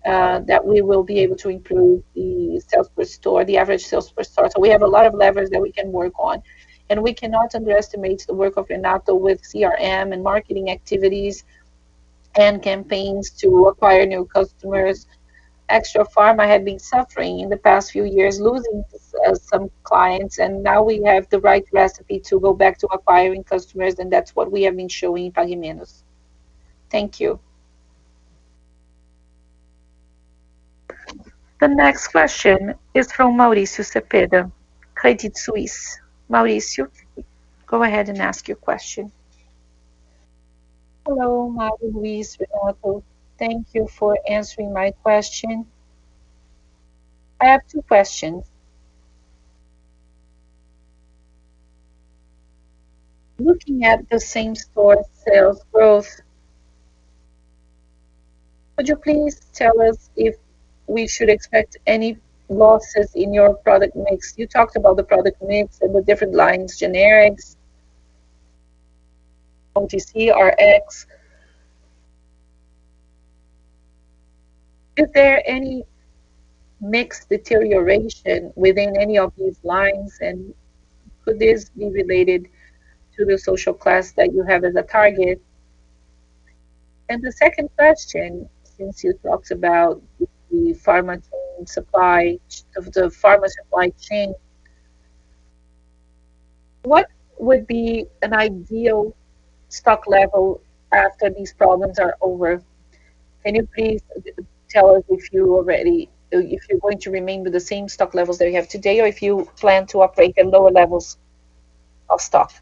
that we will be able to improve the sales per store, the average sales per store. We have a lot of levers that we can work on. We cannot underestimate the work of Renato with CRM and marketing activities and campaigns to acquire new customers. Extrafarma had been suffering in the past few years, losing some clients, and now we have the right recipe to go back to acquiring customers, and that's what we have been showing in Pague Menos. Thank you. The next question is from Mauricio Cepeda, Credit Suisse. Mauricio, go ahead and ask your question. Hello, Mario, Luiz, Renato. Thank you for answering my question. I have two questions. Looking at the same-store sales growth, would you please tell us if we should expect any losses in your product mix? You talked about the product mix and the different lines, generics, OTC, Rx. Is there any mix deterioration within any of these lines, and could this be related to the social class that you have as a target? The second question, since you talked about the pharma supply chain, what would be an ideal stock level after these problems are over? Can you please tell us if you're going to remain with the same stock levels that you have today, or if you plan to operate at lower levels of stock?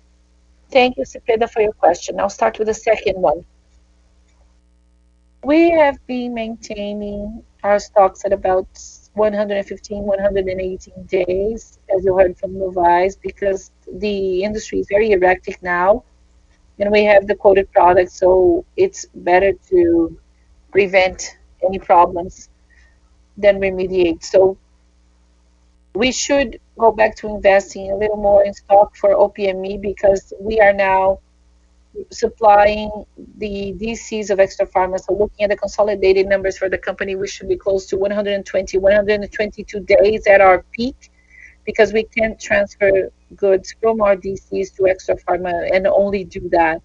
Thank you, Cepeda, for your question. I'll start with the second one. We have been maintaining our stocks at about 115-118 days, as you heard from Novais, because the industry is very erratic now, and we have the quoted products, so it's better to prevent any problems than remediate. We should go back to investing a little more in stock for OPME because we are now supplying the DCs of Extrafarma. Looking at the consolidated numbers for the company, we should be close to 120-122 days at our peak because we can't transfer goods from our DCs to Extrafarma and only do that.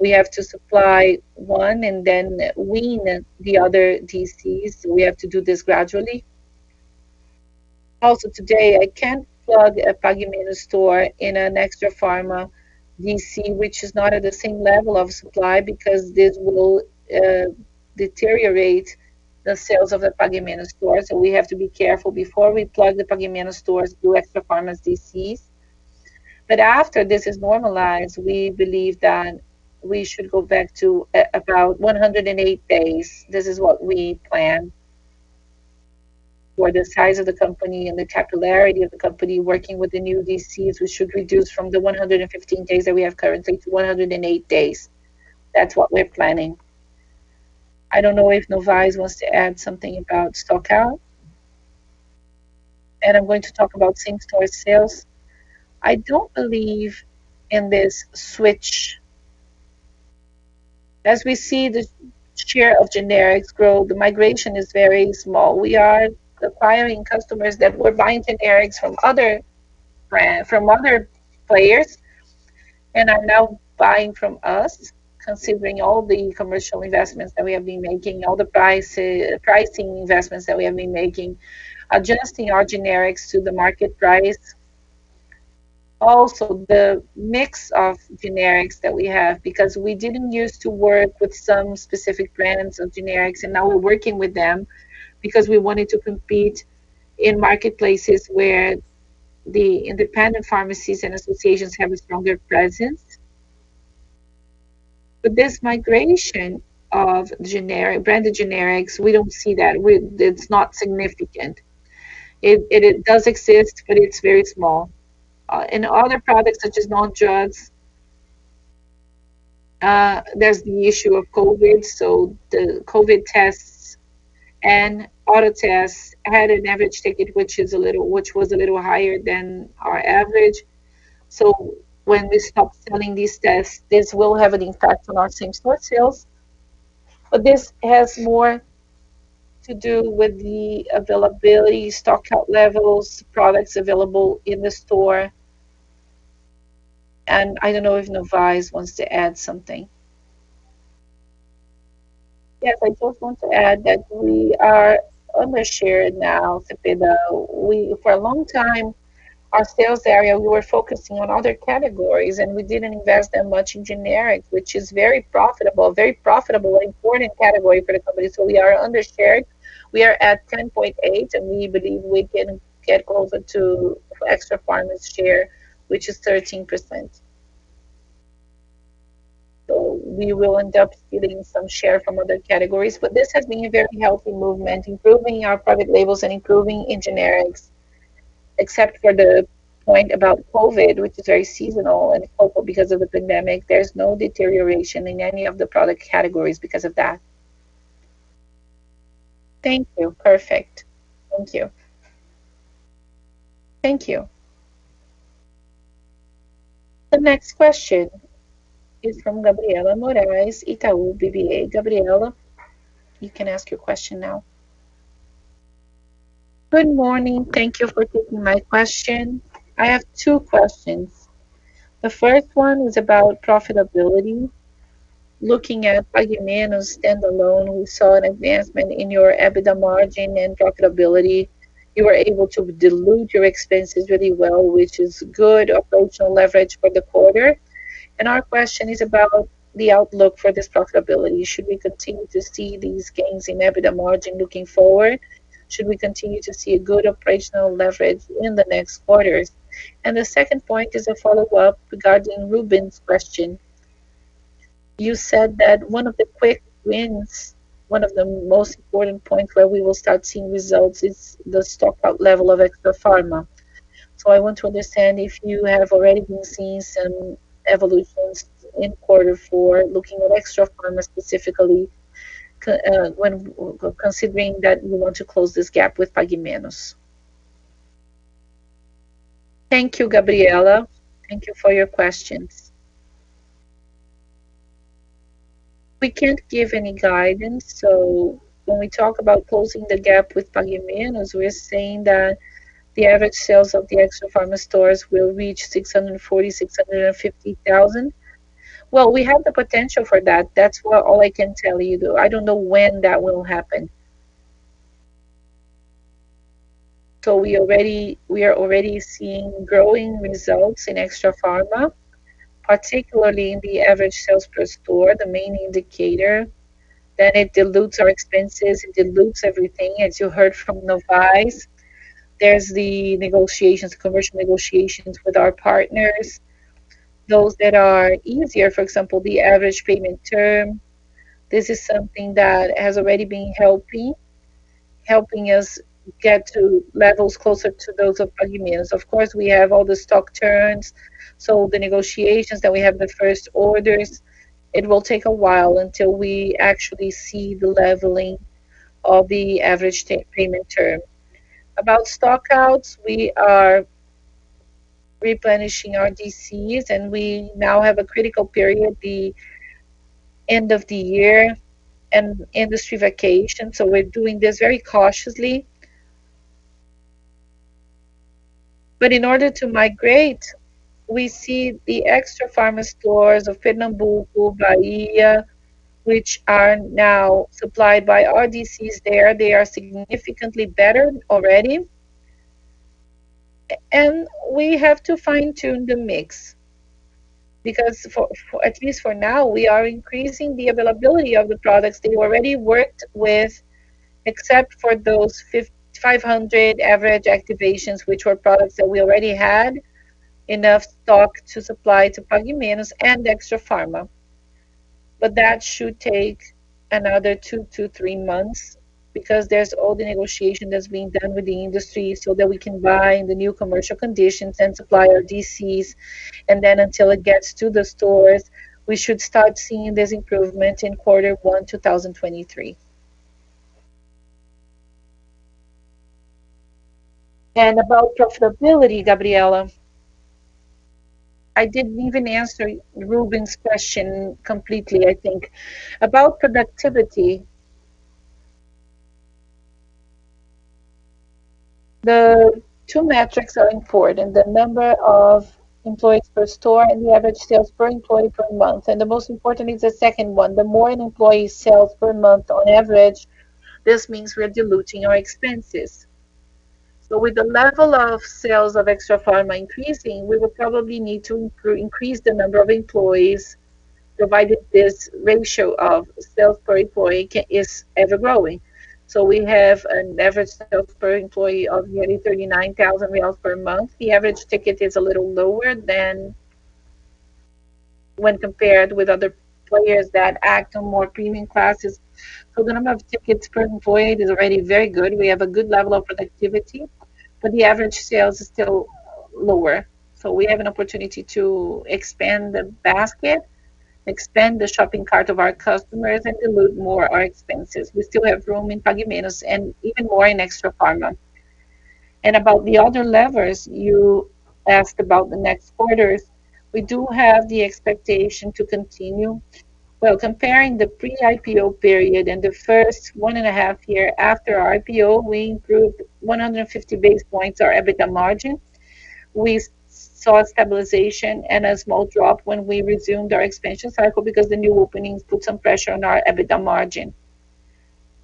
We have to supply one and then wean the other DCs. We have to do this gradually. Also, today, I can't plug a Pague Menos store in an Extrafarma DC which is not at the same level of supply because this will deteriorate the sales of the Pague Menos store. We have to be careful before we plug the Pague Menos stores to Extrafarma's DCs. After this is normalized, we believe that we should go back to about 108 days. This is what we plan. For the size of the company and the capillarity of the company working with the new DCs, we should reduce from the 115 days that we have currently to 108 days. That's what we're planning. I don't know if Novais wants to add something about stockout. I'm going to talk about same-store sales. I don't believe in this switch. As we see the share of generics grow, the migration is very small. We are acquiring customers that were buying generics from other players and are now buying from us, considering all the commercial investments that we have been making, all the price, pricing investments that we have been making, adjusting our generics to the market price. Also, the mix of generics that we have, because we didn't use to work with some specific brands of generics, and now we're working with them because we wanted to compete in marketplaces where the independent pharmacies and associations have a stronger presence. This migration of branded generics, we don't see that. It's not significant. It does exist, but it's very small. In other products such as non-drugs, there's the issue of COVID. The COVID tests and other tests had an average ticket, which was a little higher than our average. When we stop selling these tests, this will have an impact on our same-store sales. This has more to do with the availability, stock count levels, products available in the store. I don't know if Novais wants to add something. Yes, I just want to add that we are under-shared now, Cepeda. For a long time, our sales area, we were focusing on other categories, and we didn't invest that much in generics, which is very profitable and important category for the company. We are under-shared. We are at 10.8, and we believe we can get closer to Extrafarma's share, which is 13%. We will end up stealing some share from other categories. This has been a very healthy movement, improving our private labels and improving in generics. Except for the point about COVID, which is very seasonal and hopefully because of the pandemic, there's no deterioration in any of the product categories because of that. Thank you. Perfect. Thank you. Thank you. The next question is from Gabriela Moraes, Itaú BBA. Gabriela, you can ask your question now. Good morning. Thank you for taking my question. I have two questions. The first one is about profitability. Looking at Pague Menos standalone, we saw an advancement in your EBITDA margin and profitability. You were able to dilute your expenses really well, which is good operational leverage for the quarter. Our question is about the outlook for this profitability. Should we continue to see these gains in EBITDA margin looking forward? Should we continue to see a good operational leverage in the next quarters? The second point is a follow-up regarding Ruben's question. You said that one of the quick wins, one of the most important points where we will start seeing results is the stock level of Extrafarma. So I want to understand if you have already been seeing some evolutions in quarter four, looking at Extrafarma specifically considering that you want to close this gap with Pague Menos. Thank you, Gabriela. Thank you for your questions. We can't give any guidance, so when we talk about closing the gap with Pague Menos, we're saying that the average sales of the Extrafarma stores will reach 640 thousand-650 thousand. Well, we have the potential for that. That's all I can tell you, though. I don't know when that will happen. We are already seeing growing results in Extrafarma, particularly in the average sales per store, the main indicator, that it dilutes our expenses, it dilutes everything. As you heard from Novais, there's the negotiations, commercial negotiations with our partners. Those that are easier, for example, the average payment term, this is something that has already been helping us get to levels closer to those of Pague Menos. Of course, we have all the stock turns, so the negotiations that we have the first orders, it will take a while until we actually see the leveling of the average payment term. About stock outs, we are replenishing our DCs, and we now have a critical period, the end of the year and industry vacation. We're doing this very cautiously. In order to migrate, we see the Extrafarma stores of Pernambuco, Bahia, which are now supplied by our DCs there. They are significantly better already. We have to fine-tune the mix because, for at least for now, we are increasing the availability of the products that we already worked with, except for those 500 average activations, which were products that we already had enough stock to supply to Pague Menos and Extrafarma. That should take another 2-3 months because there's all the negotiation that's being done with the industry so that we can buy in the new commercial conditions and supply our DCs. Until it gets to the stores, we should start seeing this improvement in Q1 2023. About profitability, Gabriela, I didn't even answer Ruben's question completely, I think. About productivity, the two metrics are important. The number of employees per store and the average sales per employee per month. The most important is the second one. The more an employee sells per month on average, this means we are diluting our expenses. With the level of sales of Extrafarma increasing, we will probably need to increase the number of employees, provided this ratio of sales per employee is ever-growing. We have an average sales per employee of nearly 39 thousand reais per month. The average ticket is a little lower than when compared with other players that act on more premium classes. The number of tickets per employee is already very good. We have a good level of productivity, but the average sales is still lower. We have an opportunity to expand the basket, expand the shopping cart of our customers, and dilute more our expenses. We still have room in Pague Menos and even more in Extrafarma. About the other levers you asked about the next quarters, we do have the expectation to continue. Well, comparing the pre-IPO period and the first 1.5 years after our IPO, we improved 150 basis points our EBITDA margin. We saw a stabilization and a small drop when we resumed our expansion cycle because the new openings put some pressure on our EBITDA margin.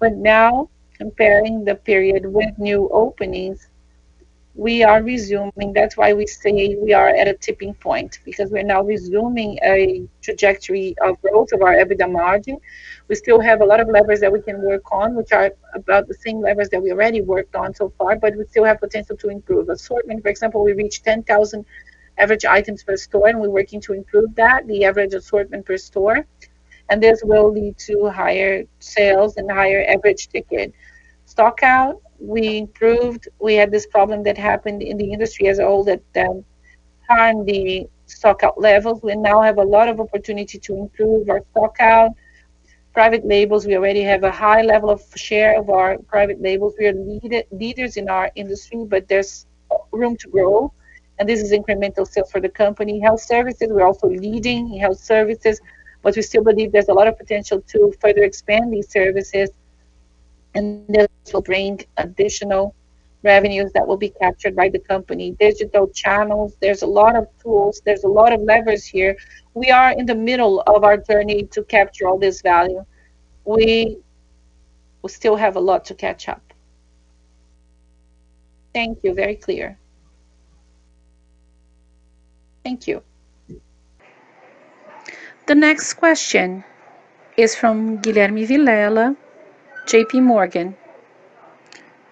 Now, comparing the period with new openings, we are resuming. That's why we say we are at a tipping point, because we're now resuming a trajectory of growth of our EBITDA margin. We still have a lot of levers that we can work on, which are about the same levers that we already worked on so far, but we still have potential to improve. Assortment, for example, we reached 10,000 average items per store, and we're working to improve that, the average assortment per store. This will lead to higher sales and higher average ticket. Stock-out, we improved. We had this problem that happened in the industry as a whole that harmed the stock-out levels. We now have a lot of opportunity to improve our stock-out. Private labels, we already have a high level of share of our private labels. We are leaders in our industry, but there's room to grow, and this is incremental sale for the company. Health services, we're also leading in health services, but we still believe there's a lot of potential to further expand these services, and this will bring additional revenues that will be captured by the company. Digital channels, there's a lot of tools. There's a lot of levers here. We are in the middle of our journey to capture all this value. We still have a lot to catch up. Thank you. Very clear. Thank you. The next question is from Guilherme Grespan, JP Morgan.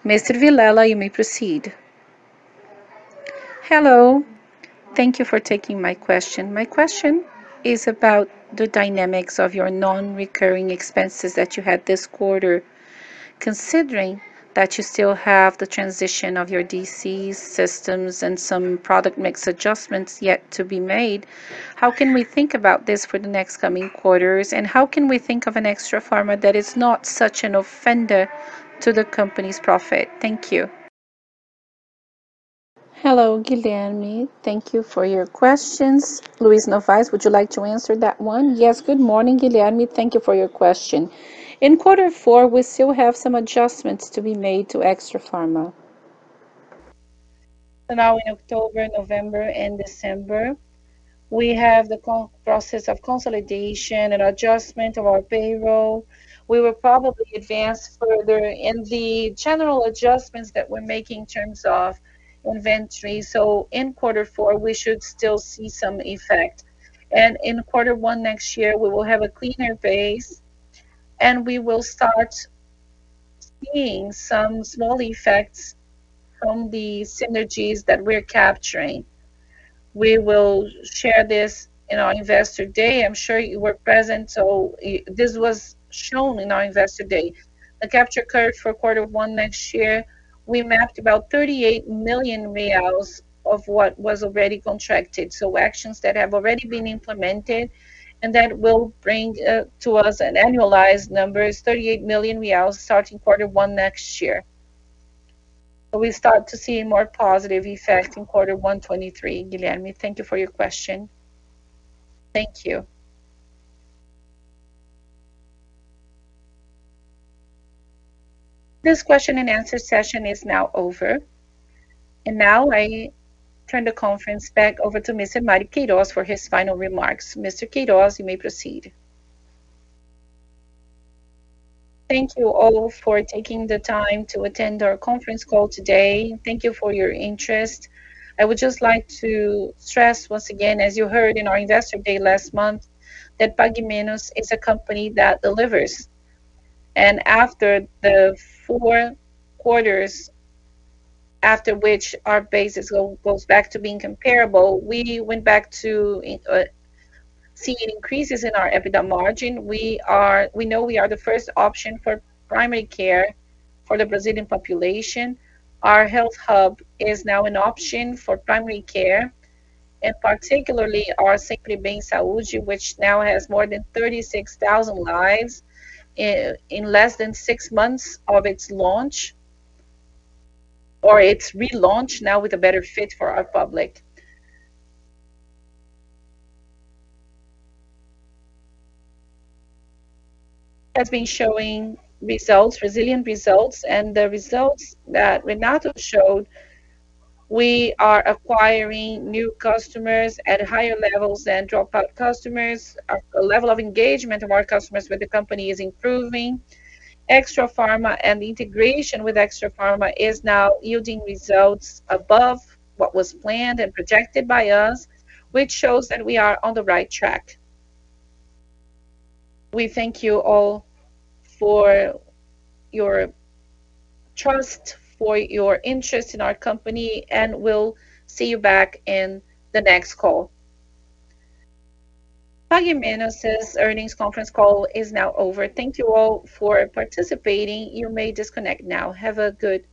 Mr. Grespan, you may proceed. Hello. Thank you for taking my question. My question is about the dynamics of your non-recurring expenses that you had this quarter. Considering that you still have the transition of your DCs, systems, and some product mix adjustments yet to be made, how can we think about this for the next coming quarters, and how can we think of an Extrafarma that is not such an offender to the company's profit? Thank you. Hello, Guilherme. Thank you for your questions. Luiz Novais, would you like to answer that one? Yes. Good morning, Guilherme. Thank you for your question. In quarter four, we still have some adjustments to be made to Extrafarma. Now in October, November and December, we have the consolidation process of consolidation and adjustment of our payroll. We will probably advance further in the general adjustments that we're making in terms of inventory. In quarter four, we should still see some effect. In quarter one next year, we will have a cleaner base, and we will start seeing some small effects from the synergies that we're capturing. We will share this in our Investor Day. I'm sure you were present, so this was shown in our Investor Day. The capture curve for quarter one next year, we mapped about 38 million reais of what was already contracted, so actions that have already been implemented and that will bring to us an annualized numbers, 38 million reais starting quarter one next year. We start to see more positive effect in quarter one 2023, Guilherme. Thank you for your question. Thank you. This question and answer session is now over. Now I turn the conference back over to Mr. Mário Queirós for his final remarks. Mr. Queirós, you may proceed. Thank you all for taking the time to attend our conference call today. Thank you for your interest. I would just like to stress once again, as you heard in our Investor Day last month, that Pague Menos is a company that delivers. After the four quarters after which our basis goes back to being comparable, we went back to seeing increases in our EBITDA margin. We know we are the first option for primary care for the Brazilian population. Our Health Hub is now an option for primary care, and particularly our Sempre Bem, which now has more than 36,000 lives in less than six months of its launch or its relaunch, now with a better fit for our public. Has been showing results, resilient results, and the results that Renato showed, we are acquiring new customers at higher levels than dropout customers. Our level of engagement of our customers with the company is improving. Extrafarma and the integration with Extrafarma is now yielding results above what was planned and projected by us, which shows that we are on the right track. We thank you all for your trust, for your interest in our company, and we'll see you back in the next call. Pague Menos' earnings conference call is now over. Thank you all for participating. You may disconnect now. Have a good day.